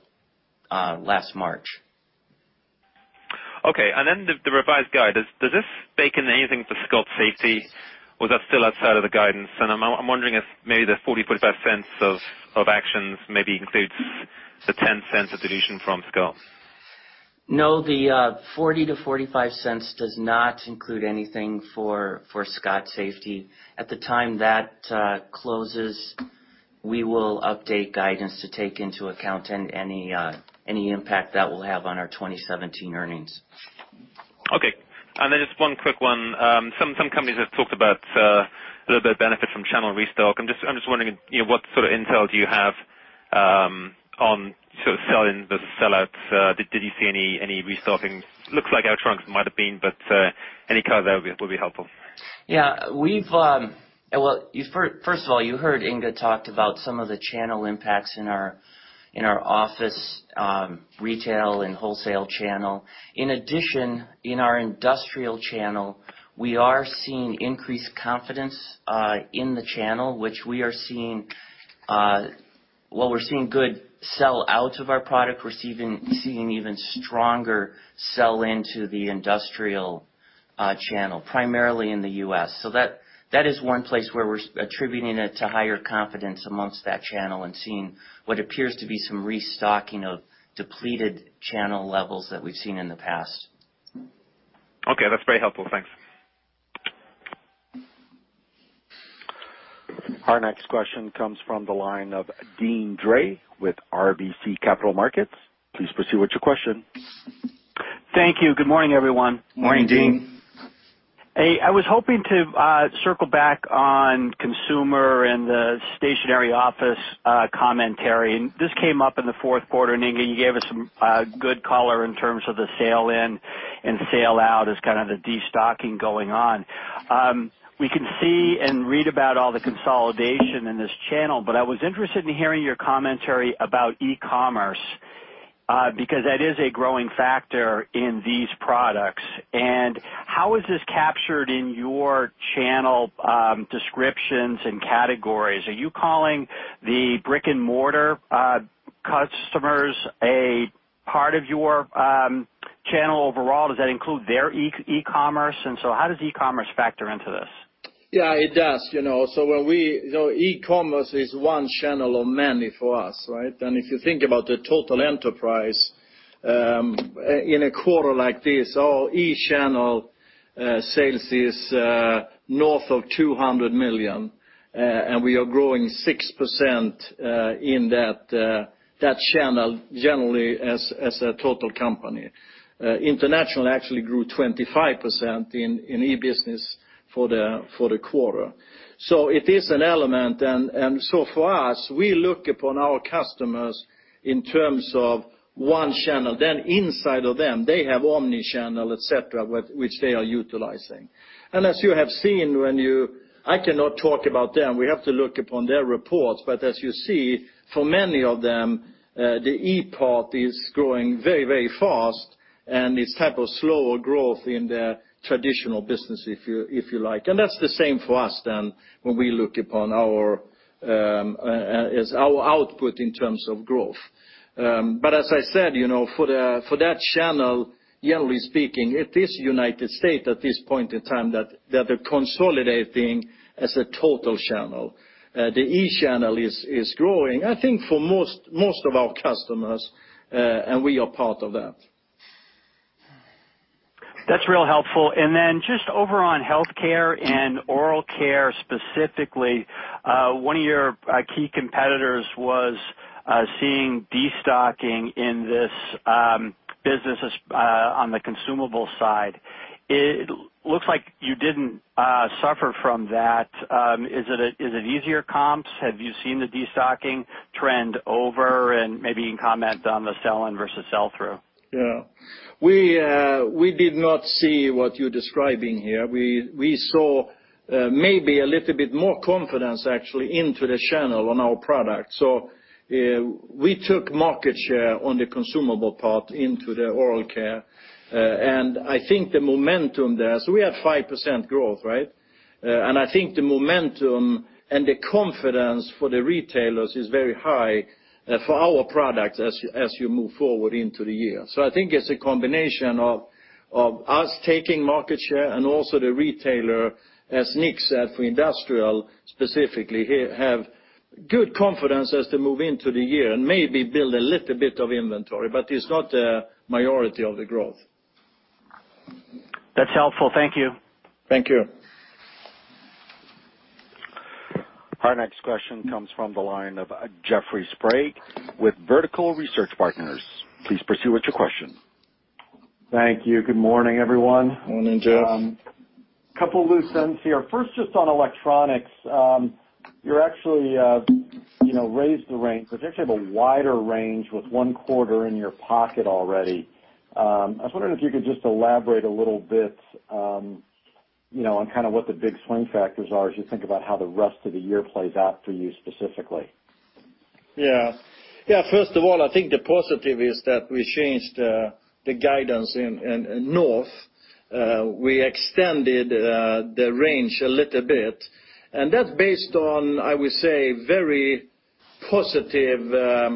last March. Okay. The revised guide. Does this bake in anything for Scott Safety, or is that still outside of the guidance? I'm wondering if maybe the $0.40-$0.45 of actions maybe includes the $0.10 of deletion from Scott. No, the $0.40-$0.45 does not include anything for Scott Safety. At the time that closes, we will update guidance to take into account any impact that will have on our 2017 earnings. Okay. Just one quick one. Some companies have talked about a little bit of benefit from channel restock. I'm just wondering, what sort of intel do you have on sort of sell-in versus sell-outs, did you see any restocking? Looks like electronics might have been, but any color there would be helpful. Yeah. First of all, you heard Inge talked about some of the channel impacts in our office, retail, and wholesale channel. In addition, in our industrial channel, we are seeing increased confidence in the channel, which While we're seeing good sell-out of our product, we're seeing even stronger sell-in to the industrial channel, primarily in the U.S. That is one place where we're attributing it to higher confidence amongst that channel and seeing what appears to be some restocking of depleted channel levels that we've seen in the past. Okay, that's very helpful. Thanks. Our next question comes from the line of Deane Dray with RBC Capital Markets. Please proceed with your question. Thank you. Good morning, everyone. Morning, Deane. Hey, I was hoping to circle back on consumer and the stationary office commentary. This came up in the fourth quarter, Inge, you gave us some good color in terms of the sell in and sell out as kind of the destocking going on. We can see and read about all the consolidation in this channel, but I was interested in hearing your commentary about e-commerce, because that is a growing factor in these products. How is this captured in your channel descriptions and categories? Are you calling the brick-and-mortar customers a part of your channel overall? Does that include their e-commerce? How does e-commerce factor into this? Yeah, it does. E-commerce is one channel of many for us, right? If you think about the total enterprise, in a quarter like this, our e-channel sales is north of $200 million, and we are growing 6% in that channel generally as a total company. International actually grew 25% in e-business for the quarter. It is an element, for us, we look upon our customers in terms of one channel. Inside of them, they have omni-channel, et cetera, which they are utilizing. As you have seen, I cannot talk about them. We have to look upon their reports. As you see, for many of them, the e-part is growing very fast, and it's type of slower growth in their traditional business, if you like. That's the same for us when we look upon our output in terms of growth. As I said, for that channel, generally speaking, it is U.S. at this point in time that they're consolidating as a total channel. The e-channel is growing, I think, for most of our customers, and we are part of that. That's real helpful. Just over on healthcare and oral care specifically, one of your key competitors was seeing destocking in this business on the consumable side. It looks like you didn't suffer from that. Is it easier comps? Have you seen the destocking trend over? Maybe you can comment on the sell-in versus sell-through. Yeah. We did not see what you're describing here. We saw maybe a little bit more confidence actually into the channel on our product. We took market share on the consumable part into the oral care. I think the momentum there, we had 5% growth, right? I think the momentum and the confidence for the retailers is very high for our products as you move forward into the year. I think it's a combination of us taking market share and also the retailer, as Nick said, for industrial specifically, have good confidence as they move into the year and maybe build a little bit of inventory, but it's not a majority of the growth. That's helpful. Thank you. Thank you. Our next question comes from the line of Jeffrey Sprague with Vertical Research Partners. Please proceed with your question. Thank you. Good morning, everyone. Morning, Jeff. Couple loose ends here. First, just on electronics. You actually raised the range, but you actually have a wider range with one quarter in your pocket already. I was wondering if you could just elaborate a little bit on kind of what the big swing factors are as you think about how the rest of the year plays out for you specifically. Yeah. First of all, I think the positive is that we changed the guidance in North. We extended the range a little bit, and that's based on, I would say, very positive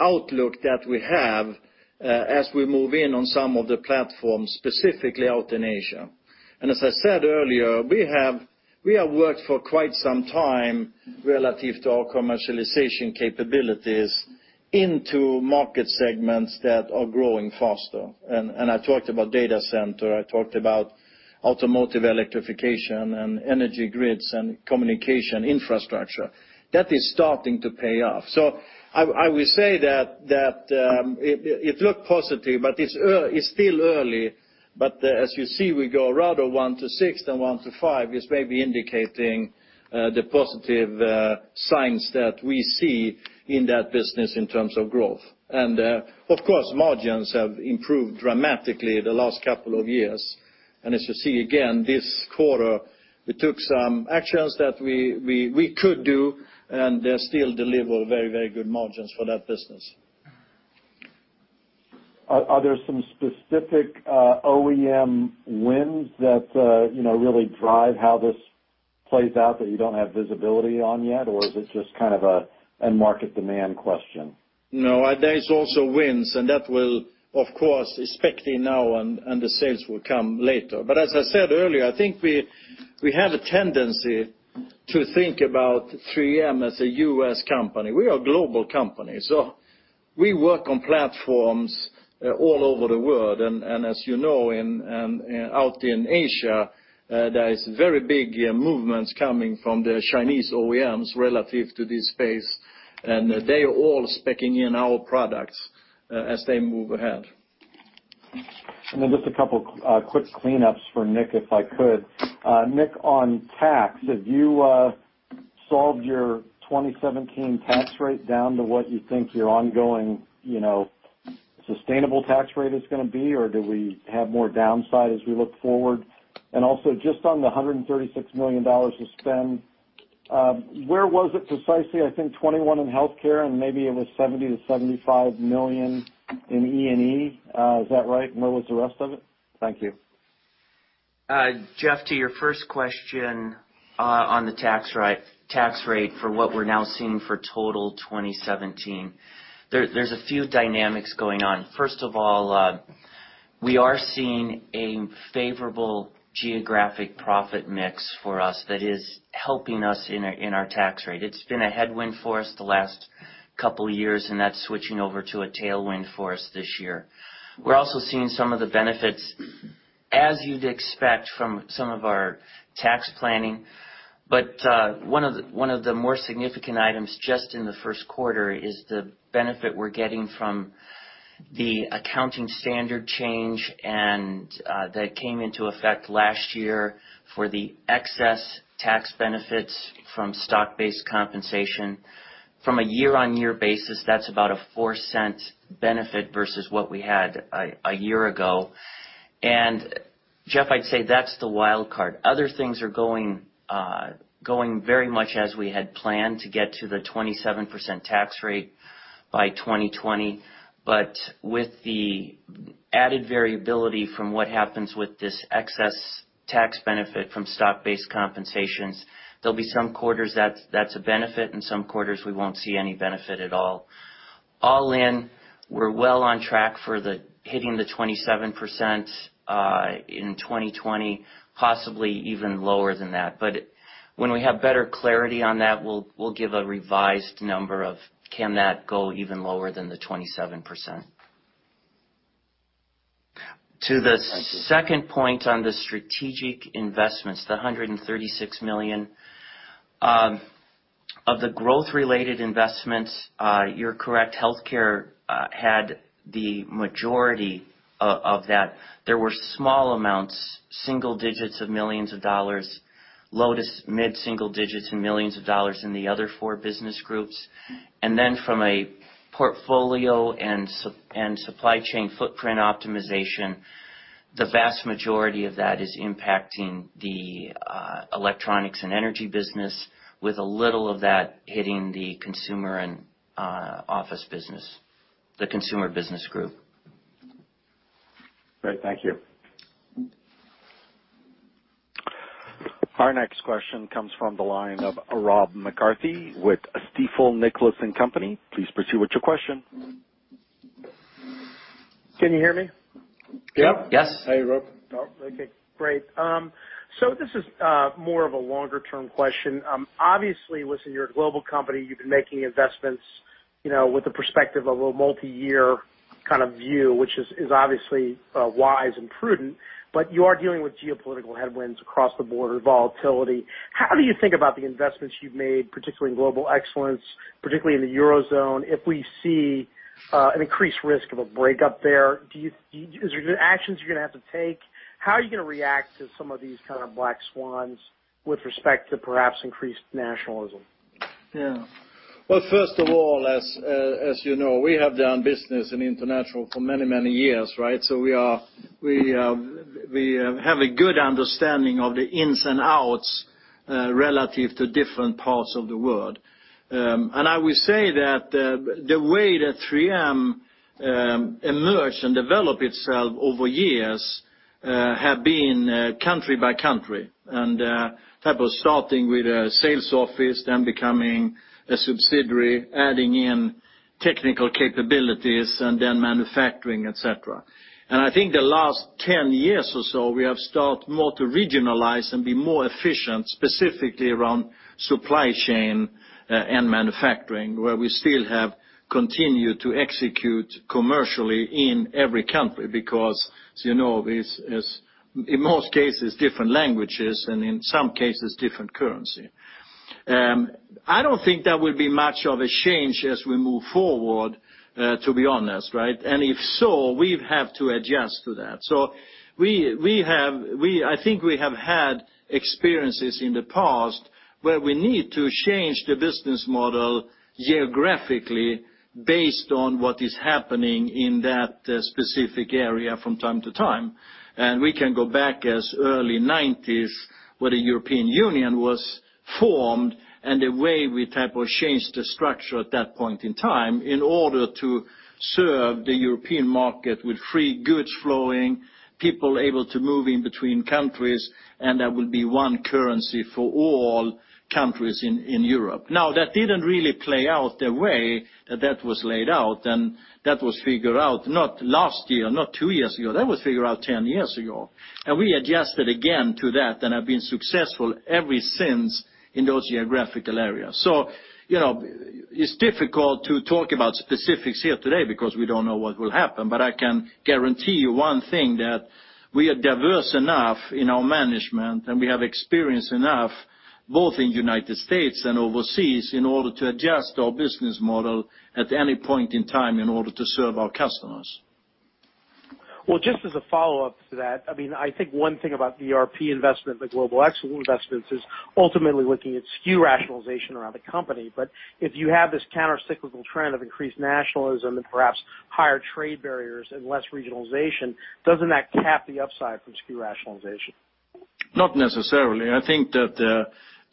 outlook that we have as we move in on some of the platforms, specifically out in Asia. As I said earlier, we have worked for quite some time relative to our commercialization capabilities into market segments that are growing faster. I talked about data center, I talked about automotive electrification and energy grids and communication infrastructure. That is starting to pay off. I would say that it looked positive, but it's still early. As you see, we go rather one to six than one to five is maybe indicating the positive signs that we see in that business in terms of growth. Of course, margins have improved dramatically the last couple of years. As you see again, this quarter, we took some actions that we could do, and they still deliver very good margins for that business. Are there some specific OEM wins that really drive how this plays out that you don't have visibility on yet? Or is it just kind of an end market demand question? There is also wins, and that will, of course, is spec'ing now and the sales will come later. As I said earlier, I think we have a tendency to think about 3M as a U.S. company. We are a global company, so we work on platforms all over the world. As you know, out in Asia, there is very big movements coming from the Chinese OEMs relative to this space, and they all spec'ing in our products as they move ahead. Just a couple quick cleanups for Nick, if I could. Nick, on tax, have you solved your 2017 tax rate down to what you think your ongoing sustainable tax rate is going to be, or do we have more downside as we look forward? Also, just on the $136 million of spend, where was it precisely? I think $21 in healthcare, and maybe it was $70 million-$75 million in E&E. Is that right? Where was the rest of it? Thank you. Jeff, to your first question on the tax rate for what we're now seeing for total 2017. There's a few dynamics going on. First of all, we are seeing a favorable geographic profit mix for us that is helping us in our tax rate. It's been a headwind for us the last couple of years, and that's switching over to a tailwind for us this year. We're also seeing some of the benefits as you'd expect from some of our tax planning. One of the more significant items just in the first quarter is the benefit we're getting from the accounting standard change, and that came into effect last year for the excess tax benefits from stock-based compensation. From a year-over-year basis, that's about a $0.04 benefit versus what we had a year ago. Jeff, I'd say that's the wild card. Other things are going very much as we had planned to get to the 27% tax rate by 2020. With the added variability from what happens with this excess tax benefit from stock-based compensations, there'll be some quarters that's a benefit, and some quarters we won't see any benefit at all. All in, we're well on track for the hitting the 27% in 2020, possibly even lower than that. When we have better clarity on that, we'll give a revised number of can that go even lower than the 27%. Thank you. To the second point on the strategic investments, the $136 million. Of the growth-related investments, you're correct, healthcare had the majority of that. There were small amounts, single digits of millions of USD, low to mid-single digits and millions of USD in the other four business groups. From a portfolio and supply chain footprint optimization, the vast majority of that is impacting the Electronics and Energy business with a little of that hitting the Consumer and Office business, the Consumer business group. Great. Thank you. Our next question comes from the line of Rob McCarthy with Stifel, Nicolaus & Company. Please proceed with your question. Can you hear me? Yep. Yes. Hey, Rob. Oh, okay. Great. This is more of a longer-term question. Obviously, listen, you're a global company. You've been making investments with the perspective of a multi-year kind of view, which is obviously wise and prudent, but you are dealing with geopolitical headwinds across the border volatility. How do you think about the investments you've made, particularly in global excellence, particularly in the Eurozone? If we see an increased risk of a breakup there, is there actions you're going to have to take? How are you going to react to some of these kind of black swans with respect to perhaps increased nationalism? Yeah. Well, first of all, as you know, we have done business in international for many years, right? We have a good understanding of the ins and outs relative to different parts of the world. I would say that the way that 3M emerged and developed itself over years have been country by country, and type of starting with a sales office, then becoming a subsidiary, adding in technical capabilities and then manufacturing, et cetera. I think the last 10 years or so, we have start more to regionalize and be more efficient specifically around supply chain and manufacturing, where we still have continued to execute commercially in every country because, as you know, in most cases, different languages and in some cases different currency. I don't think there will be much of a change as we move forward, to be honest, right? If so, we have to adjust to that. I think we have had experiences in the past where we need to change the business model geographically based on what is happening in that specific area from time to time. We can go back as early 1990s, when the European Union was formed, and the way we type or changed the structure at that point in time in order to serve the European market with free goods flowing, people able to move in between countries, and there will be one currency for all countries in Europe. That didn't really play out the way that that was laid out, and that was figured out not last year, not two years ago, that was figured out 10 years ago. We adjusted again to that and have been successful ever since in those geographical areas. It's difficult to talk about specifics here today because we don't know what will happen, but I can guarantee you one thing, that we are diverse enough in our management, and we have experience enough, both in the U.S. and overseas, in order to adjust our business model at any point in time in order to serve our customers. Well, just as a follow-up to that, I think one thing about the ERP investment, the global investments is ultimately looking at SKU rationalization around the company. If you have this countercyclical trend of increased nationalism and perhaps higher trade barriers and less regionalization, doesn't that cap the upside from SKU rationalization? Not necessarily. I think that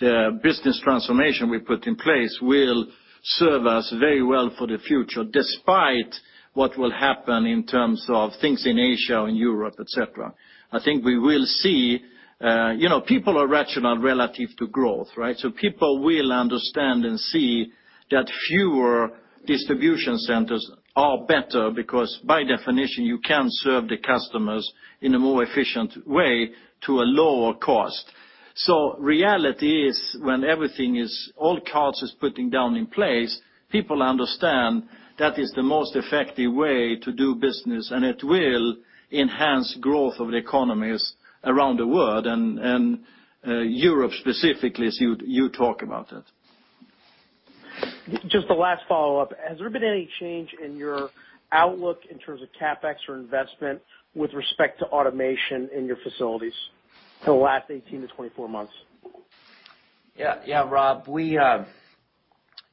the business transformation we put in place will serve us very well for the future despite what will happen in terms of things in Asia, in Europe, et cetera. I think people are rational relative to growth, right? People will understand and see that fewer distribution centers are better because by definition, you can serve the customers in a more efficient way to a lower cost. Reality is when everything is, all cards is putting down in place, people understand that is the most effective way to do business, and it will enhance growth of the economies around the world, and Europe specifically, as you talk about it. Just a last follow-up. Has there been any change in your outlook in terms of CapEx or investment with respect to automation in your facilities in the last 18 to 24 months? Yeah, Rob.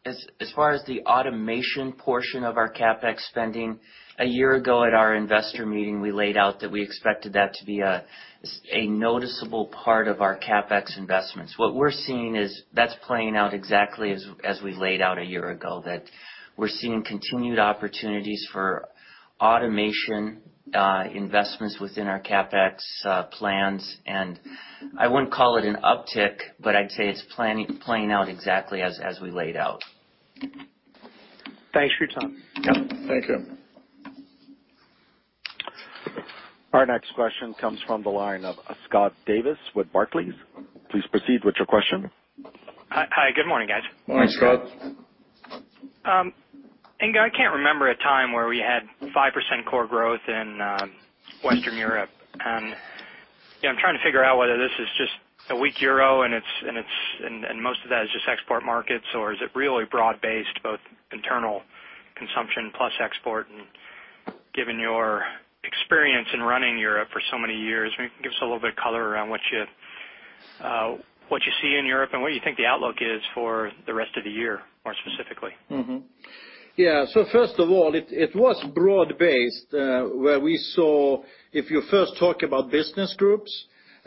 As far as the automation portion of our CapEx spending, a year ago at our investor meeting, we laid out that we expected that to be a noticeable part of our CapEx investments. What we're seeing is that's playing out exactly as we laid out a year ago, that we're seeing continued opportunities for automation investments within our CapEx plans. I wouldn't call it an uptick, but I'd say it's playing out exactly as we laid out. Thanks for your time. Yeah. Thank you. Our next question comes from the line of Scott Davis with Barclays. Please proceed with your question. Hi. Good morning, guys. Morning, Scott. Inge, I can't remember a time where we had 5% core growth in Western Europe. I'm trying to figure out whether this is just a weak euro and most of that is just export markets, or is it really broad-based, both internal consumption plus export? Given your experience in running Europe for so many years, maybe give us a little bit of color around what you see in Europe and what you think the outlook is for the rest of the year, more specifically. Mm-hmm. Yeah. First of all, it was broad-based, where we saw, if you first talk about business groups,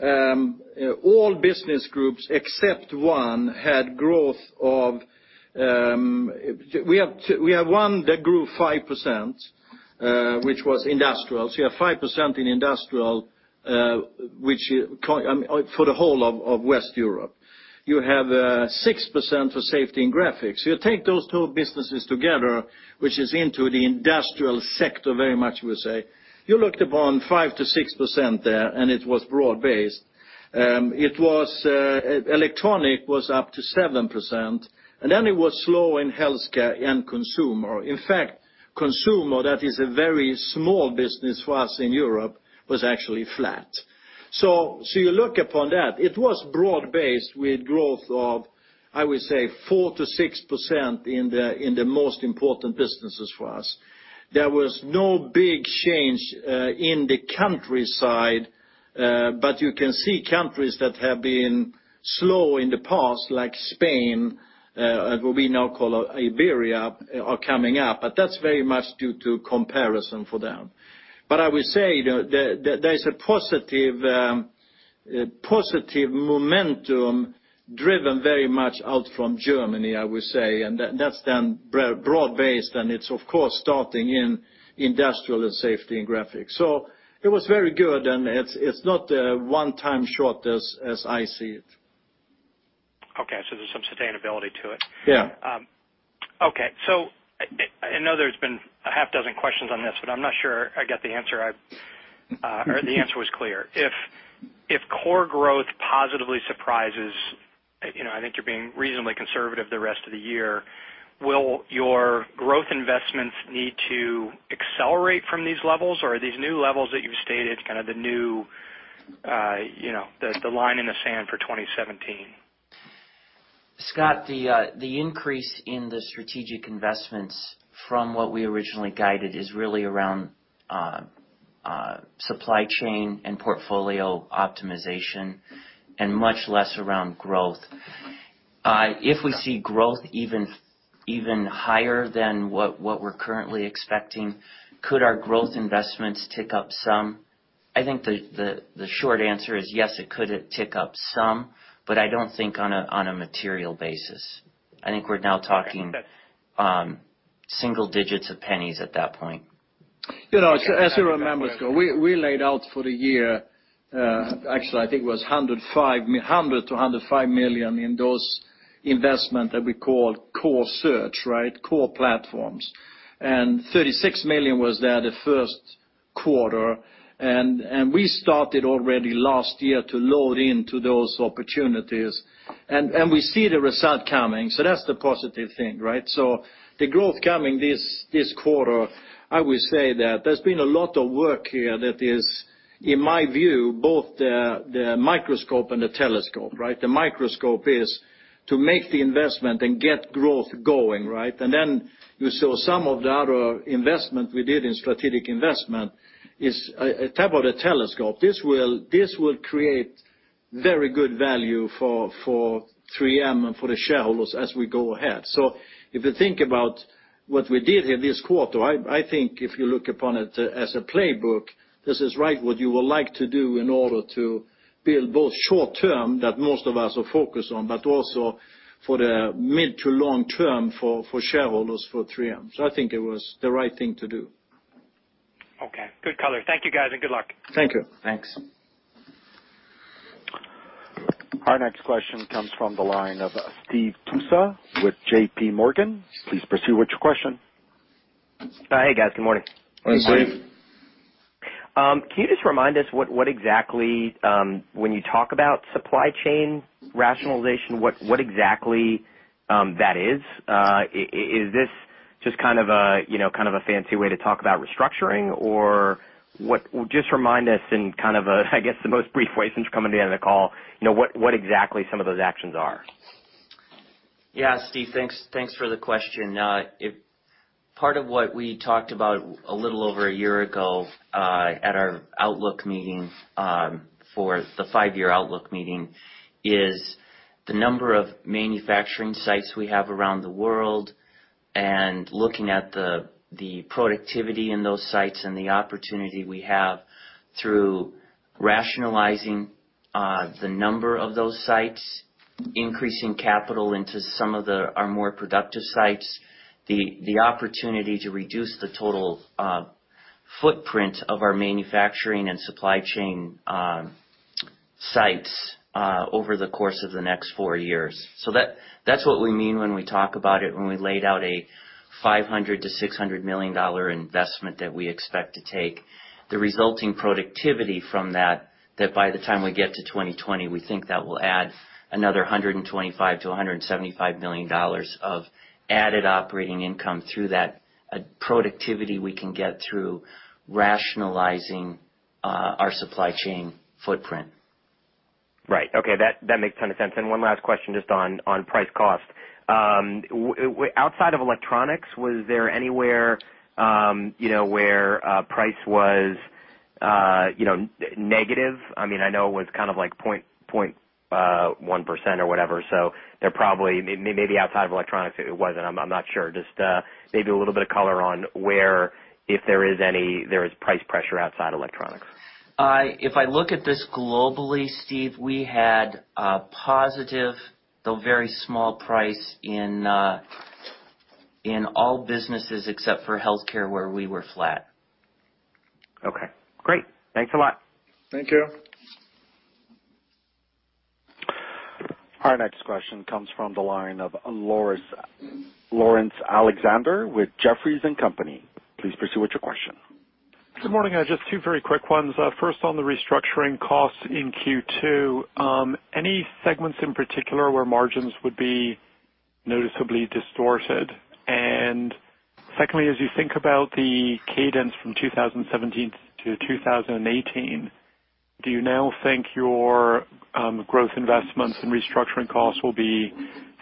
all business groups except one had growth of. We have one that grew 5%, which was Industrial. You have 5% in Industrial, for the whole of Western Europe. You have 6% for Safety and Graphics. You take those two businesses together, which is into the industrial sector very much, we say, you looked upon 5%-6% there, and it was broad-based. Electronic was up to 7%, and then it was slow in Healthcare and Consumer. In fact, Consumer, that is a very small business for us in Europe, was actually flat. You look upon that. It was broad-based with growth of, I would say 4%-6% in the most important businesses for us. There was no big change in the countryside, you can see countries that have been slow in the past, like Spain, what we now call Iberia, are coming up, that's very much due to comparison for them. I would say there's a positive momentum driven very much out from Germany, I would say, and that's then broad-based, and it's of course starting in Industrial and Safety and Graphics. It was very good, and it's not a one-time shot as I see it. Okay, there's some sustainability to it. Yeah. I know there's been a half dozen questions on this, but I'm not sure I get the answer or the answer was clear. If core growth positively surprises, I think you're being reasonably conservative the rest of the year, will your growth investments need to accelerate from these levels, or are these new levels that you've stated kind of the new line in the sand for 2017. Scott, the increase in the strategic investments from what we originally guided is really around supply chain and portfolio optimization, and much less around growth. If we see growth even higher than what we're currently expecting, could our growth investments tick up some? I think the short answer is yes, it could tick up some, but I don't think on a material basis. I think we're now talking single digits of pennies at that point. As you remember, Scott, we laid out for the year, actually, I think it was $100 million-$105 million in those investment that we called core search. Core platforms. $36 million was there the first quarter, and we started already last year to load into those opportunities. We see the result coming, that's the positive thing. The growth coming this quarter, I would say that there's been a lot of work here that is, in my view, both the microscope and the telescope. The microscope is to make the investment and get growth going. Then you saw some of the other investment we did in strategic investment is a type of the telescope. This will create very good value for 3M and for the shareholders as we go ahead. If you think about what we did here this quarter, I think if you look upon it as a playbook, this is right what you would like to do in order to build both short-term, that most of us are focused on, but also for the mid to long-term for shareholders for 3M. I think it was the right thing to do. Okay. Good color. Thank you, guys, and good luck. Thank you. Thanks. Our next question comes from the line of Steve Tusa with J.P. Morgan. Please proceed with your question. Hey, guys. Good morning. Morning, Steve. Morning. Can you just remind us when you talk about supply chain rationalization, what exactly that is? Is this just kind of a fancy way to talk about restructuring, or just remind us in kind of a, I guess, the most brief way since coming to the end of the call, what exactly some of those actions are. Yeah, Steve, thanks for the question. Part of what we talked about a little over a year ago at our outlook meeting for the five-year outlook meeting is the number of manufacturing sites we have around the world, and looking at the productivity in those sites and the opportunity we have through rationalizing the number of those sites, increasing capital into some of our more productive sites, the opportunity to reduce the total footprint of our manufacturing and supply chain sites over the course of the next four years. That's what we mean when we talk about it, when we laid out a $500 million-$600 million investment that we expect to take. The resulting productivity from that by the time we get to 2020, we think that will add another $125 million-$175 million of added operating income through that productivity we can get through rationalizing our supply chain footprint. Right. Okay. That makes ton of sense. One last question just on price cost. Outside of electronics, was there anywhere where price was negative? I know it was kind of like 0.1% or whatever, there probably, maybe outside of electronics it wasn't. I'm not sure. Just maybe a little bit of color on where if there is price pressure outside electronics. If I look at this globally, Steve, we had a positive, though very small price in all businesses except for healthcare where we were flat. Okay, great. Thanks a lot. Thank you. Our next question comes from the line of Laurence Alexander with Jefferies & Company. Please proceed with your question. Good morning. Just two very quick ones. First, on the restructuring costs in Q2, any segments in particular where margins would be noticeably distorted? Secondly, as you think about the cadence from 2017 to 2018, do you now think your growth investments and restructuring costs will be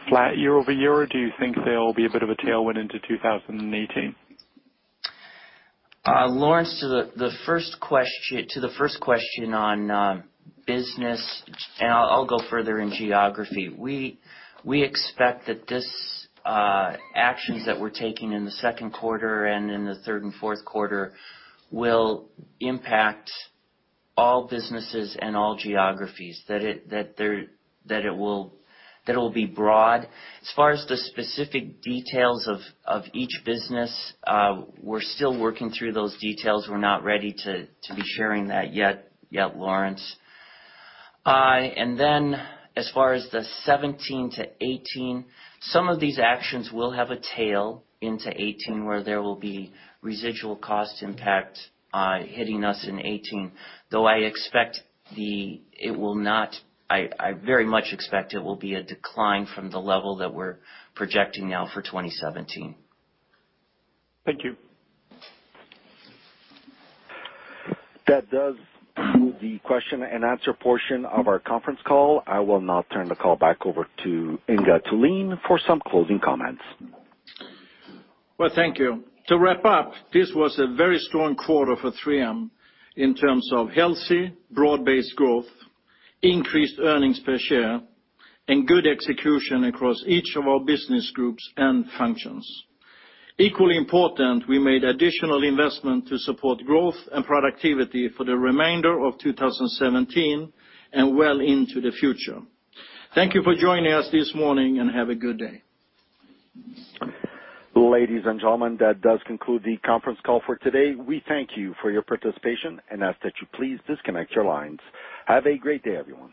flat year-over-year, or do you think they'll be a bit of a tailwind into 2018? Laurence, to the first question on business, and I'll go further in geography. We expect that these actions that we're taking in the second quarter and in the third and fourth quarter will impact all businesses and all geographies. That it will be broad. As far as the specific details of each business, we're still working through those details. We're not ready to be sharing that yet, Laurence. As far as the 2017 to 2018, some of these actions will have a tail into 2018, where there will be residual cost impact hitting us in 2018, though I very much expect it will be a decline from the level that we're projecting now for 2017. Thank you. That does conclude the question and answer portion of our conference call. I will now turn the call back over to Inge Thulin for some closing comments. Well, thank you. To wrap up, this was a very strong quarter for 3M in terms of healthy, broad-based growth, increased earnings per share, and good execution across each of our business groups and functions. Equally important, we made additional investment to support growth and productivity for the remainder of 2017 and well into the future. Thank you for joining us this morning, and have a good day. Ladies and gentlemen, that does conclude the conference call for today. We thank you for your participation and ask that you please disconnect your lines. Have a great day, everyone.